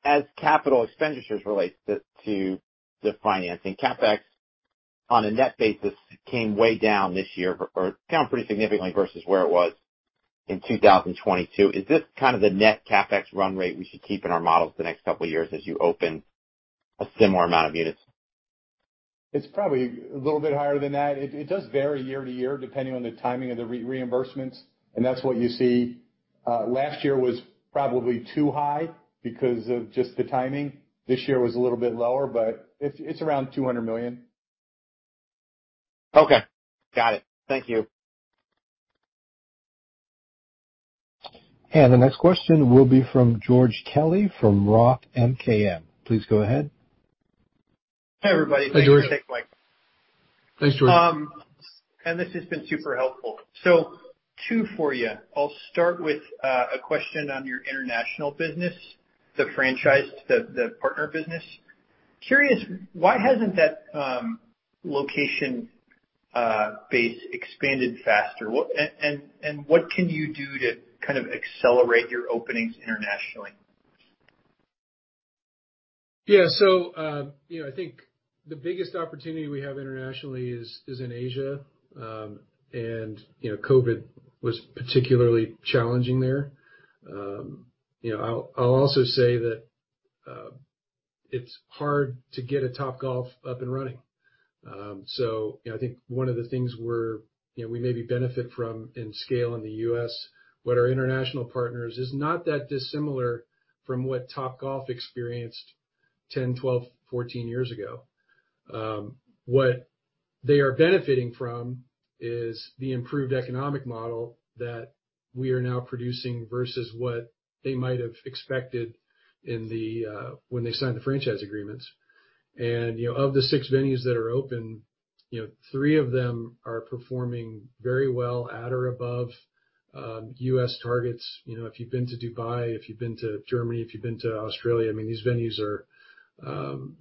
as capital expenditures relates to the financing, CapEx, on a net basis, came way down this year or down pretty significantly versus where it was in 2022. Is this kind of the net CapEx run rate we should keep in our models the next couple of years as you open a similar amount of units? It's probably a little bit higher than that. It does vary year to year, depending on the timing of the reimbursements, and that's what you see. Last year was probably too high because of just the timing. This year was a little bit lower, but it's around $200 million. Okay. Got it. Thank you. The next question will be from George Kelly, from Roth MKM. Please go ahead. Hi, everybody. Hi, George. Thanks for taking my call. Thanks, George. This has been super helpful. Two for you. I'll start with a question on your international business, the franchise, the partner business. Curious, why hasn't that location base expanded faster? What? What can you do to kind of accelerate your openings internationally? Yeah. You know, I think the biggest opportunity we have internationally is in Asia. You know, COVID was particularly challenging there. You know, I'll also say that it's hard to get a Topgolf up and running. You know, I think one of the things we're, you know, we maybe benefit from in scale in the US, what our international partners is not that dissimilar from what Topgolf experienced 10, 12, 14 years ago. What they are benefiting from is the improved economic model that we are now producing versus what they might have expected in the when they signed the franchise agreements. You know, of the 6 venues that are open, you know, 3 of them are performing very well, at or above US targets. You know, if you've been to Dubai, if you've been to Germany, if you've been to Australia, I mean, these venues are,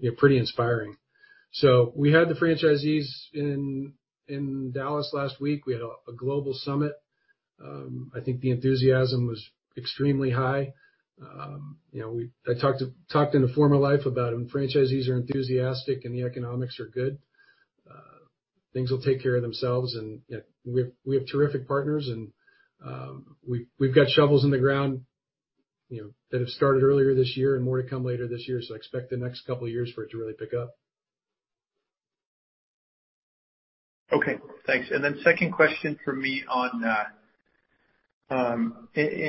you know, pretty inspiring. We had the franchisees in Dallas last week. We had a global summit. I think the enthusiasm was extremely high. You know, I talked to, talked in a former life about when franchisees are enthusiastic and the economics are good, things will take care of themselves. You know, we have terrific partners, and, we've got shovels in the ground, you know, that have started earlier this year and more to come later this year. I expect the next couple of years for it to really pick up. Okay, thanks. Second question for me on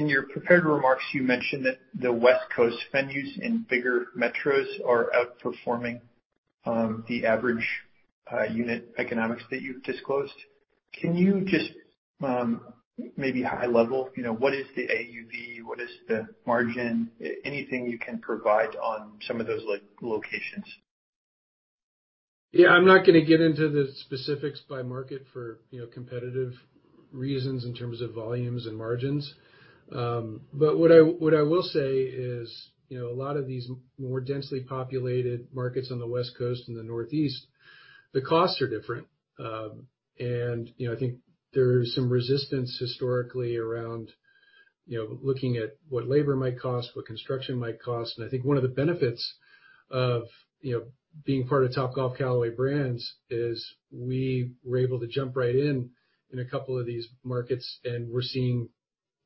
your prepared remarks, you mentioned that the West Coast venues in bigger metros are outperforming the average unit economics that you've disclosed. Can you just maybe high level, you know, what is the AUV? What is the margin? Anything you can provide on some of those like, locations. Yeah, I'm not going to get into the specifics by market for, you know, competitive reasons in terms of volumes and margins. What I, what I will say is, you know, a lot of these more densely populated markets on the West Coast and the Northeast, the costs are different. I think there's some resistance historically around, you know, looking at what labor might cost, what construction might cost. I think one of the benefits of, you know, being part of Topgolf Callaway Brands is we were able to jump right in a couple of these markets, and we're seeing,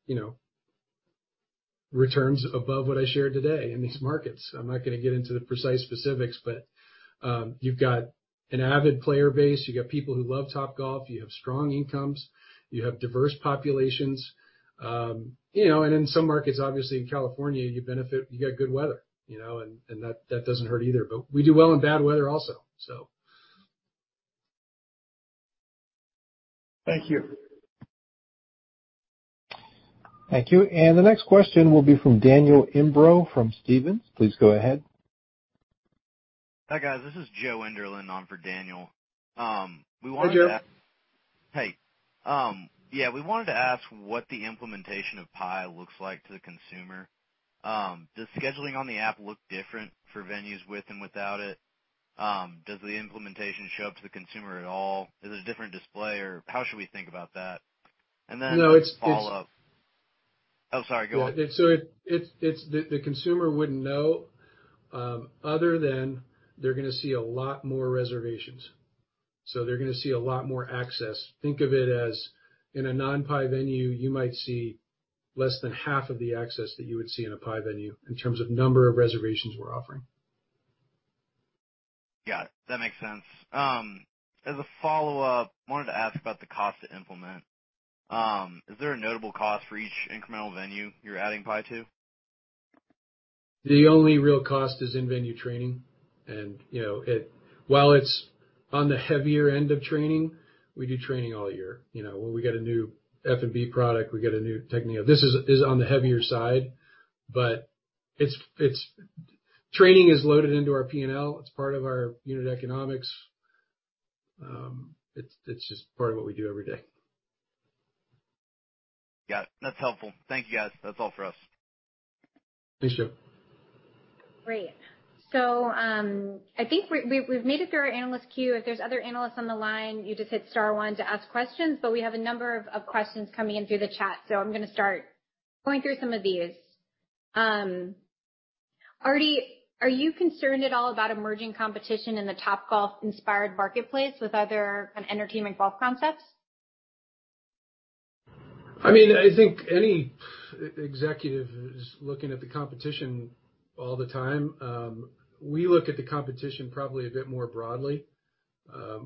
you know, returns above what I shared today in these markets. I'm not going to get into the precise specifics, but you've got an avid player base, you've got people who love Topgolf, you have strong incomes, you have diverse populations. You know, in some markets, obviously, in California, you benefit, you got good weather, you know, and that doesn't hurt either. We do well in bad weather also. Thank you. Thank you. The next question will be from Daniel Imbro, from Stephens. Please go ahead. Hi, guys. This is Joe Enderlin on for Daniel. Hi, Joe. Hey. Yeah, we wanted to ask what the implementation of PIE looks like to the consumer. Does scheduling on the app look different for venues with and without it? Does the implementation show up to the consumer at all? Is it a different display, or how should we think about that? No, it's. Follow-up. Oh, sorry, go ahead. The consumer wouldn't know, other than they're going to see a lot more reservations. They're going to see a lot more access. Think of it as in a non-PIE venue, you might see less than half of the access that you would see in a PIE venue in terms of number of reservations we're offering. Got it. That makes sense. As a follow-up, wanted to ask about the cost to implement. Is there a notable cost for each incremental venue you're adding PIE to? The only real cost is in-venue training, and, you know, while it's on the heavier end of training, we do training all year. You know, when we get a new F&B product, we get a new technique. This is on the heavier side, but Training is loaded into our P&L. It's part of our unit economics. It's just part of what we do every day. Got it. That's helpful. Thank you, guys. That's all for us. Thanks, Chip. Great. I think we've made it through our analyst queue. If there's other analysts on the line, you just hit star one to ask questions. We have a number of questions coming in through the chat. I'm gonna start going through some of these. Artie, are you concerned at all about emerging competition in the Topgolf inspired marketplace with other kind of entertainment golf concepts? I mean, I think any e-executive is looking at the competition all the time. We look at the competition probably a bit more broadly.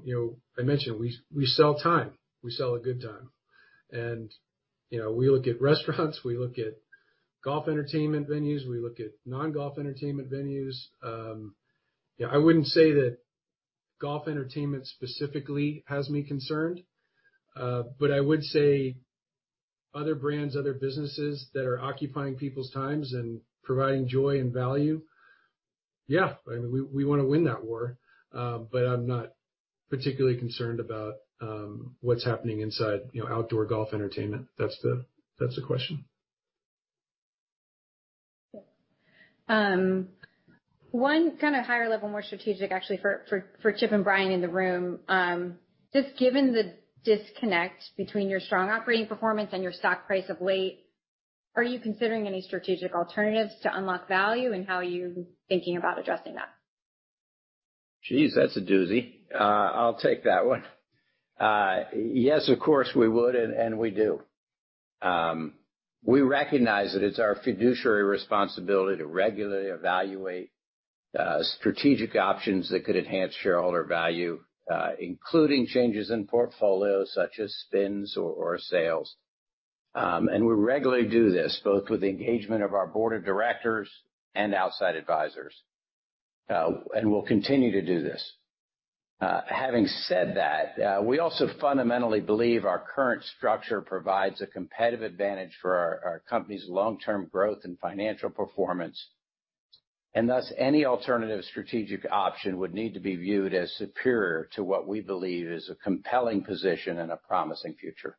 You know, I mentioned, we sell time. We sell a good time. You know, we look at restaurants, we look at golf entertainment venues, we look at non-golf entertainment venues. Yeah, I wouldn't say that golf entertainment specifically has me concerned, but I would say other brands, other businesses that are occupying people's times and providing joy and value, yeah, I mean, we want to win that war. But I'm not particularly concerned about, what's happening inside, you know, outdoor golf entertainment. That's the question. One kind of higher level, more strategic, actually, for Chip and Brian in the room. Just given the disconnect between your strong operating performance and your stock price of late, are you considering any strategic alternatives to unlock value? How are you thinking about addressing that? Geez, that's a doozy. I'll take that one. Yes, of course, we would, and we do. We recognize that it's our fiduciary responsibility to regularly evaluate strategic options that could enhance shareholder value, including changes in portfolios such as spins or sales. We regularly do this, both with the engagement of our board of directors and outside advisors, and we'll continue to do this. Having said that, we also fundamentally believe our current structure provides a competitive advantage for our company's long-term growth and financial performance, thus, any alternative strategic option would need to be viewed as superior to what we believe is a compelling position and a promising future.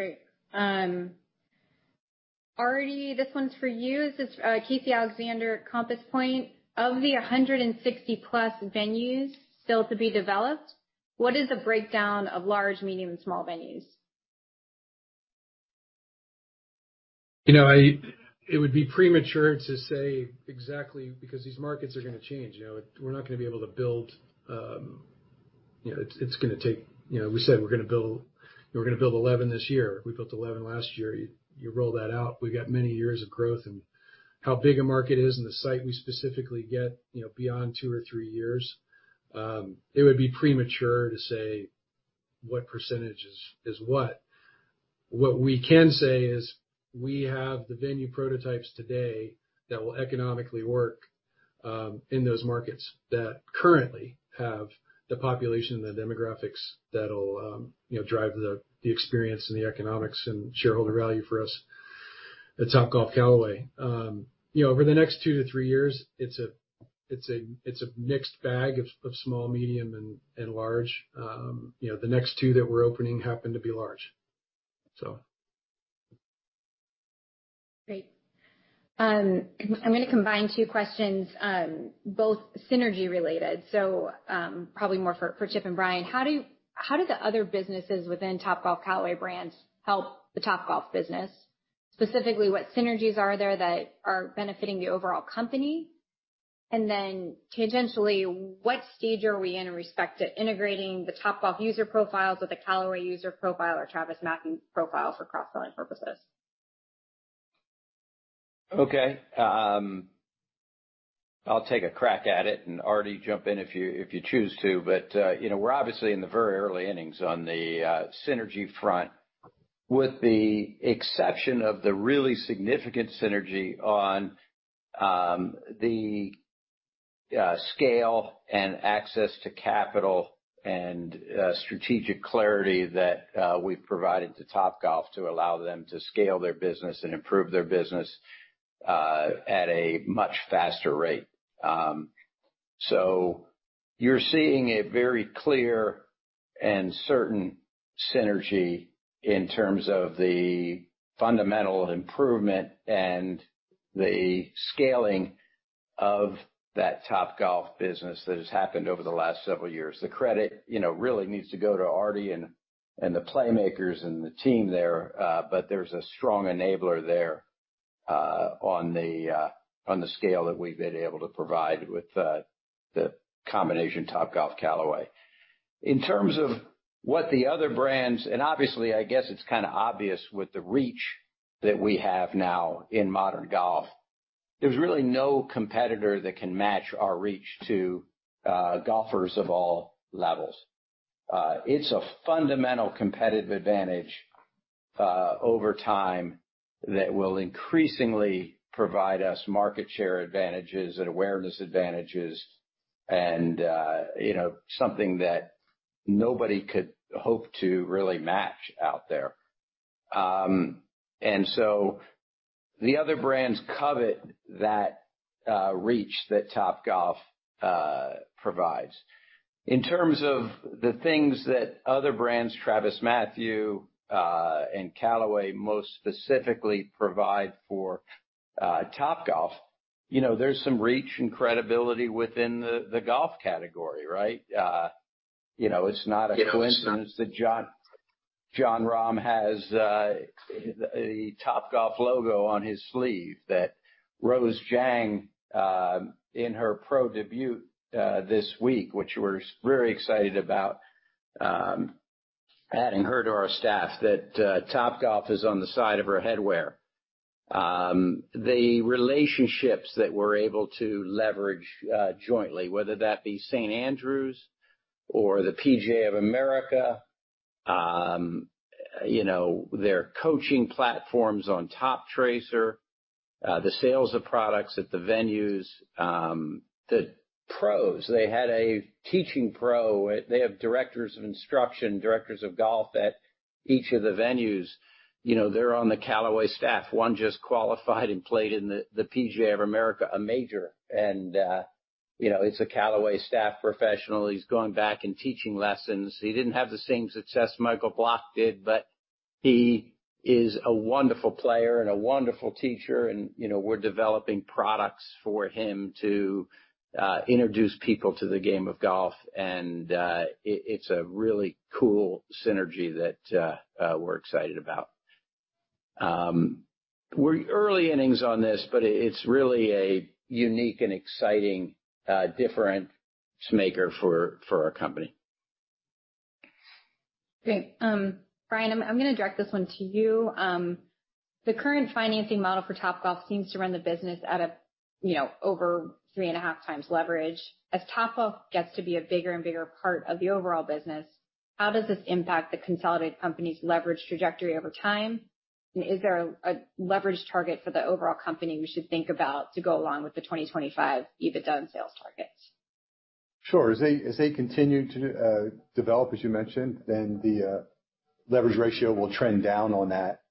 Great. Artie, this one's for you. This, Casey Alexander at Compass Point. Of the 160 plus venues still to be developed, what is the breakdown of large, medium, and small venues? You know, it would be premature to say exactly, because these markets are going to change. You know, we're not going to be able to build, you know, it's going to take. You know, we said we're going to build 11 this year. We built 11 last year. You roll that out, we've got many years of growth and how big a market is and the site we specifically get, you know, beyond 2 or 3 years, it would be premature to say what % is what. What we can say is, we have the venue prototypes today that will economically work in those markets that currently have the population and the demographics that'll, you know, drive the experience and the economics and shareholder value for us at Topgolf Callaway. You know, over the next 2 to 3 years, it's a mixed bag of small, medium, and large. You know, the next 2 that we're opening happen to be large, so. Great. I'm going to combine two questions, both synergy related, so, probably more for Chip and Brian. How do the other businesses within Topgolf Callaway Brands help the Topgolf business? Specifically, what synergies are there that are benefiting the overall company? Tangentially, what stage are we in with respect to integrating the Topgolf user profiles with the Callaway user profile or TravisMathew profile for cross-selling purposes? Okay. I'll take a crack at it, and Artie, jump in if you, if you choose to. You know, we're obviously in the very early innings on the synergy front, with the exception of the really significant synergy on the scale and access to capital and strategic clarity that we've provided to Topgolf to allow them to scale their business and improve their business at a much faster rate. You're seeing a very clear and certain synergy in terms of the fundamental improvement and the scaling of that Topgolf business that has happened over the last several years. The credit, you know, really needs to go to Artie and the playmakers and the team there, but there's a strong enabler there on the scale that we've been able to provide with the combination Topgolf Callaway. In terms of what the other brands... Obviously, I guess it's kind of obvious with the reach that we have now in modern golf, there's really no competitor that can match our reach to golfers of all levels. It's a fundamental competitive advantage over time, that will increasingly provide us market share advantages and awareness advantages and, you know, something that nobody could hope to really match out there... The other brands covet that reach that Topgolf provides. In terms of the things that other brands, TravisMathew, and Callaway, most specifically provide for Topgolf, you know, there's some reach and credibility within the golf category, right? You know, it's not a coincidence that Jon Rahm has the Topgolf logo on his sleeve, that Rose Zhang, in her pro debut this week, which we're very excited about, adding her to our staff, that Topgolf is on the side of her headwear. The relationships that we're able to leverage jointly, whether that be St. Andrews or the PGA of America, you know, their coaching platforms on Toptracer, the sales of products at the venues, the pros, they had a teaching pro. They have directors of instruction, directors of golf at each of the venues. You know, they're on the Callaway staff. One just qualified and played in the PGA of America, a major. You know, it's a Callaway staff professional. He's going back and teaching lessons. He didn't have the same success Michael Block did, but he is a wonderful player and a wonderful teacher. You know, we're developing products for him to introduce people to the game of golf. It's a really cool synergy that we're excited about. We're early innings on this. It's really a unique and exciting difference maker for our company. Great. Brian, I'm going to direct this one to you. The current financing model for Topgolf seems to run the business at a, you know, over 3.5 times leverage. As Topgolf gets to be a bigger and bigger part of the overall business, how does this impact the consolidated company's leverage trajectory over time? Is there a leverage target for the overall company we should think about to go along with the 2025 EBITDA and sales targets? Sure. As they continue to develop, as you mentioned, the leverage ratio will trend down on that.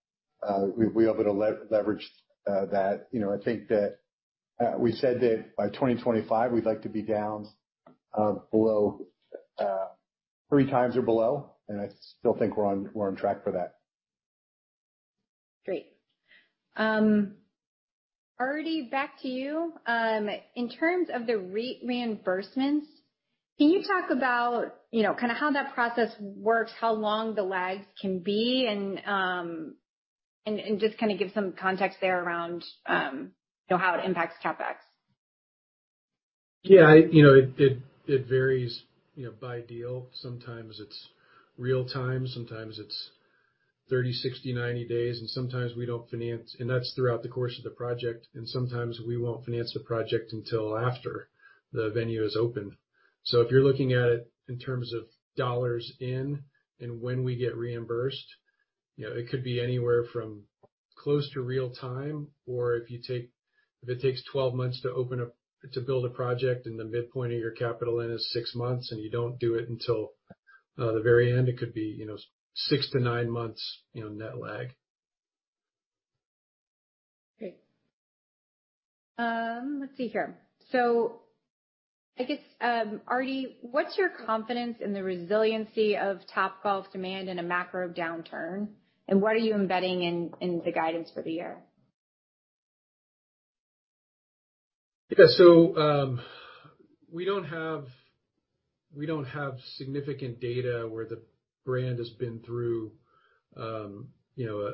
We'll be able to leverage that. You know, I think that we said that by 2025, we'd like to be down below 3 times or below, I still think we're on track for that. Great. Artie, back to you. In terms of the REIT reimbursements, can you talk about, you know, kind of how that process works, how long the lags can be, and just kind of give some context there around, you know, how it impacts CapEx? Yeah, you know, it varies, you know, by deal. Sometimes it's real time, sometimes it's 30, 60, 90 days. Sometimes we don't finance, and that's throughout the course of the project. Sometimes we won't finance the project until after the venue is open. If you're looking at it in terms of dollars in and when we get reimbursed, you know, it could be anywhere from close to real time, or if it takes 12 months to open a, to build a project. The midpoint of your capital in is 6 months. You don't do it until the very end, it could be, you know, 6 to 9 months, you know, net lag. Great. Let's see here. I guess, Artie, what's your confidence in the resiliency of Topgolf demand in a macro downturn, and what are you embedding in the guidance for the year? Yeah. We don't have, we don't have significant data where the brand has been through, you know,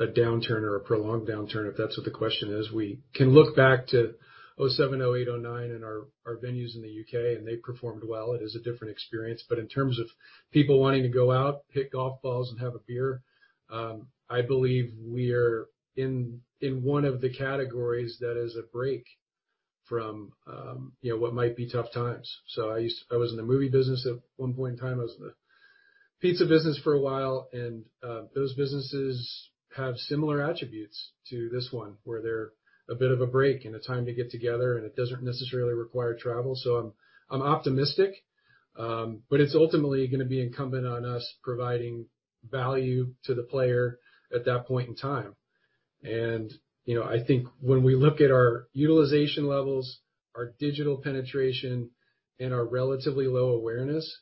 a downturn or a prolonged downturn, if that's what the question is. We can look back to 2007, 2008, 2009, our venues in the UK, and they performed well. It is a different experience. In terms of people wanting to go out, hit golf balls, and have a beer, I believe we're in one of the categories that is a break from, you know, what might be tough times. I was in the movie business at one point in time. I was in the pizza business for a while, and those businesses have similar attributes to this one, where they're a bit of a break and a time to get together, and it doesn't necessarily require travel, so I'm optimistic. But it's ultimately going to be incumbent on us providing value to the player at that point in time. You know, I think when we look at our utilization levels, our digital penetration, and our relatively low awareness,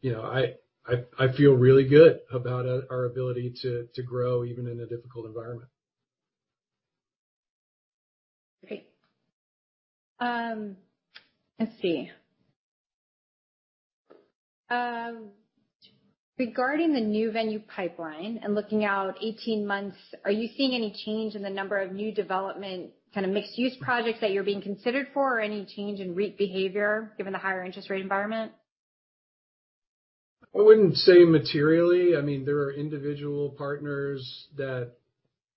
you know, I feel really good about our ability to grow even in a difficult environment. Great. Let's see. Regarding the new venue pipeline and looking out 18 months, are you seeing any change in the number of new development, kind of mixed-use projects that you're being considered for or any change in REIT behavior, given the higher interest rate environment? I wouldn't say materially. I mean, there are individual partners that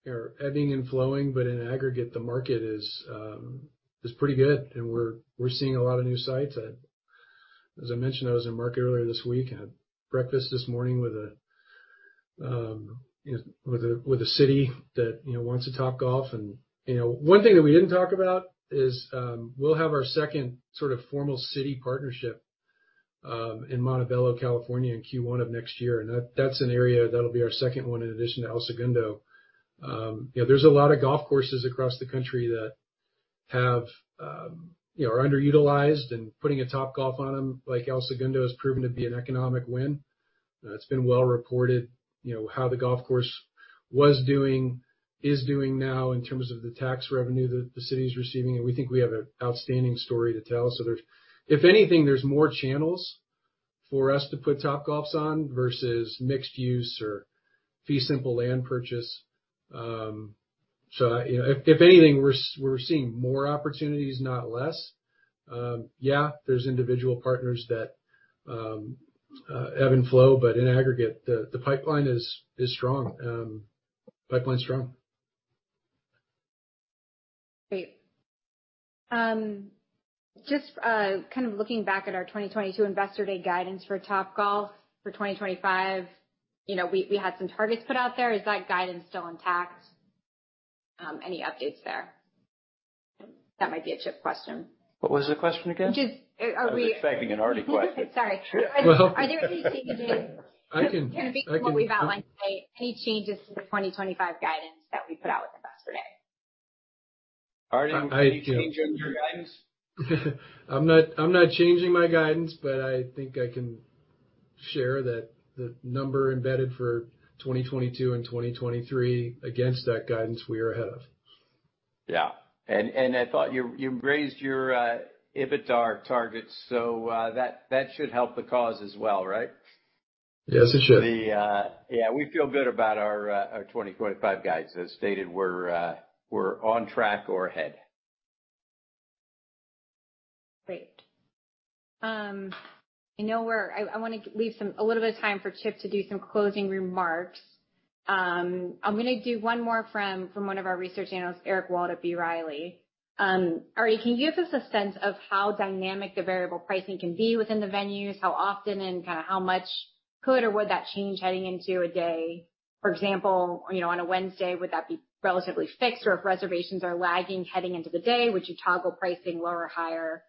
are ebbing and flowing, but in aggregate, the market is pretty good, and we're seeing a lot of new sites. I, as I mentioned, I was in market earlier this week. I had breakfast this morning with a, you know, with a city that, you know, wants a Topgolf. You know, one thing that we didn't talk about is, we'll have our second sort of formal city partnership in Montebello, California, in Q1 of next year, and that's an area that'll be our second one in addition to El Segundo. Yeah, there's a lot of golf courses across the country that have, you know, are underutilized, and putting a Topgolf on them, like El Segundo, has proven to be an economic win. It's been well reported, you know, how the golf course was doing, is doing now in terms of the tax revenue that the city is receiving, and we think we have an outstanding story to tell. If anything, there's more channels for us to put Topgolfs on versus mixed use or fee simple land purchase. I, you know, if anything, we're seeing more opportunities, not less. Yeah, there's individual partners that ebb and flow, but in aggregate, the pipeline is strong. Pipeline's strong. Great. Just kind of looking back at our 2022 Investor Day guidance for Topgolf for 2025, you know, we had some targets put out there. Is that guidance still intact? Any updates there? That might be a Chip question. What was the question again? Which is, I was expecting an Artie question. Sorry. Are there any? I can- Kind of based on what we've outlined today, any changes to the 2025 guidance that we put out at Investor Day? Artie, any change in your guidance? I'm not changing my guidance, but I think I can share that the number embedded for 2022 and 2023, against that guidance, we are ahead. Yeah. I thought you raised your EBITDA targets, so that should help the cause as well, right? Yes, it should. Yeah, we feel good about our 2025 guides. As stated, we're on track or ahead. Great. I know I want to leave some, a little bit of time for Chip to do some closing remarks. I'm going to do one more from one of our research analysts, Eric Wold, B. Riley. Artie, can you give us a sense of how dynamic the variable pricing can be within the venues? How often and kind of how much could or would that change heading into a day? For example, you know, on a Wednesday, would that be relatively fixed, or if reservations are lagging heading into the day, would you toggle pricing lower or higher,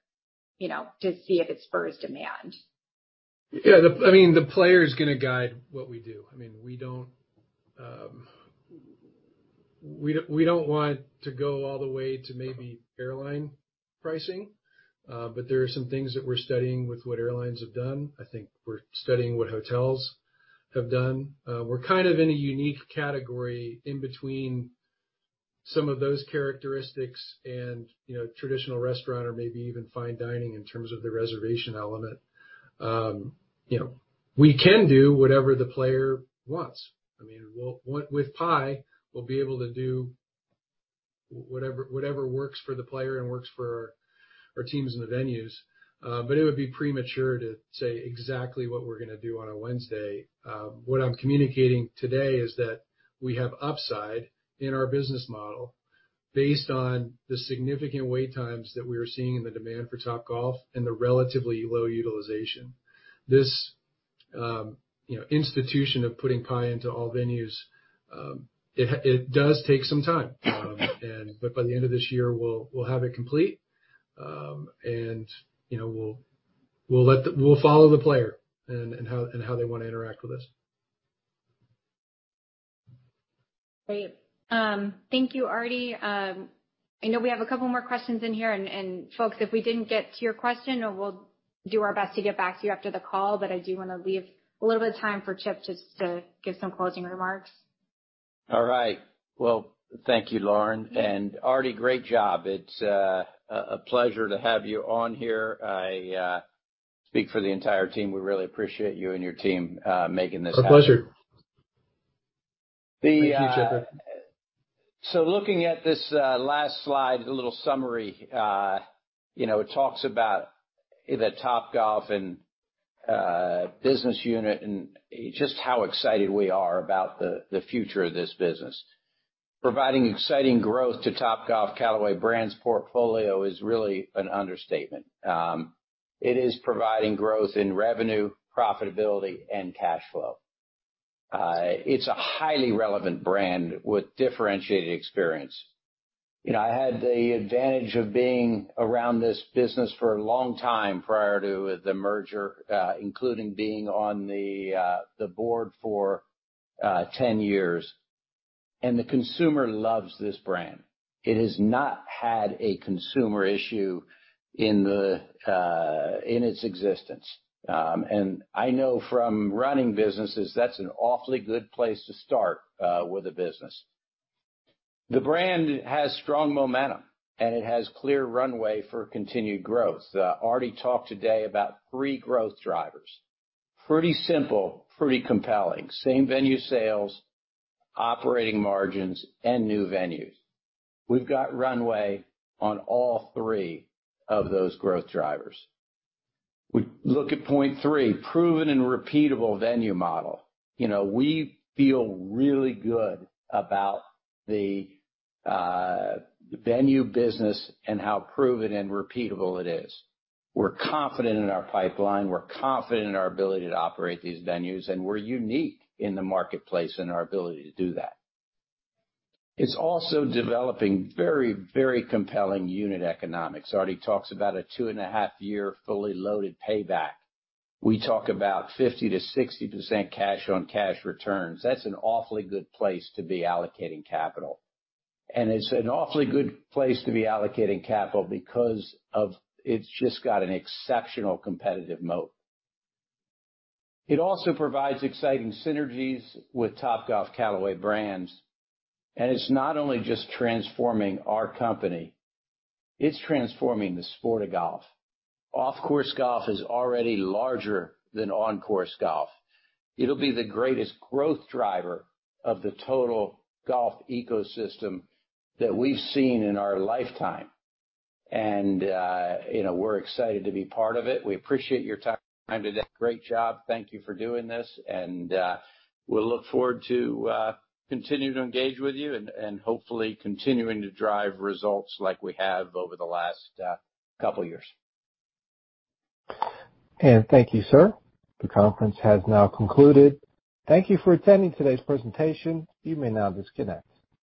you know, to see if it spurs demand? I mean, the player's going to guide what we do. I mean, we don't want to go all the way to maybe airline pricing. There are some things that we're studying with what airlines have done. I think we're studying what hotels have done. We're kind of in a unique category in between some of those characteristics and, you know, traditional restaurant or maybe even fine dining in terms of the reservation element. You know, we can do whatever the player wants. I mean, with PIE, we'll be able to do whatever works for the player and works for our teams in the venues. It would be premature to say exactly what we're going to do on a Wednesday. What I'm communicating today is that we have upside in our business model based on the significant wait times that we are seeing in the demand for Topgolf and the relatively low utilization. This, you know, institution of putting PIE into all venues, it does take some time. But by the end of this year, we'll have it complete. You know, we'll follow the player and how they want to interact with this. Great. Thank you, Artie. I know we have a couple more questions in here, and folks, if we didn't get to your question, we'll do our best to get back to you after the call. I do want to leave a little bit of time for Chip just to give some closing remarks. All right. Well, thank you, Lauren, and Artie, great job. It's a pleasure to have you on here. I speak for the entire team. We really appreciate you and your team making this happen. A pleasure. The Thank you, Chip. Looking at this last slide, a little summary, you know, it talks about the Topgolf business unit and just how excited we are about the future of this business. Providing exciting growth to Topgolf Callaway Brands portfolio is really an understatement. It is providing growth in revenue, profitability, and cash flow. It's a highly relevant brand with differentiated experience. You know, I had the advantage of being around this business for a long time prior to the merger, including being on the board for 10 years, and the consumer loves this brand. It has not had a consumer issue in its existence, and I know from running businesses, that's an awfully good place to start with a business. The brand has strong momentum, and it has clear runway for continued growth. Artie talked today about three growth drivers, pretty simple, pretty compelling: same venue sales, operating margins, and new venues. We've got runway on all three of those growth drivers. We look at point three, proven and repeatable venue model. You know, we feel really good about the venue business and how proven and repeatable it is. We're confident in our pipeline, we're confident in our ability to operate these venues, and we're unique in the marketplace in our ability to do that. It's also developing very, very compelling unit economics. Artie talks about a 2.5-year fully loaded payback. We talk about 50% to 60% cash on cash returns. That's an awfully good place to be allocating capital, and it's an awfully good place to be allocating capital because of, it's just got an exceptional competitive moat. It also provides exciting synergies with Topgolf Callaway Brands, and it's not only just transforming our company, it's transforming the sport of golf. Off-course golf is already larger than on-course golf. It'll be the greatest growth driver of the total golf ecosystem that we've seen in our lifetime, you know, we're excited to be part of it. We appreciate your time today. Great job. Thank you for doing this, and we'll look forward to continuing to engage with you and hopefully continuing to drive results like we have over the last couple years. Thank you, sir. The conference has now concluded. Thank you for attending today's presentation. You may now disconnect.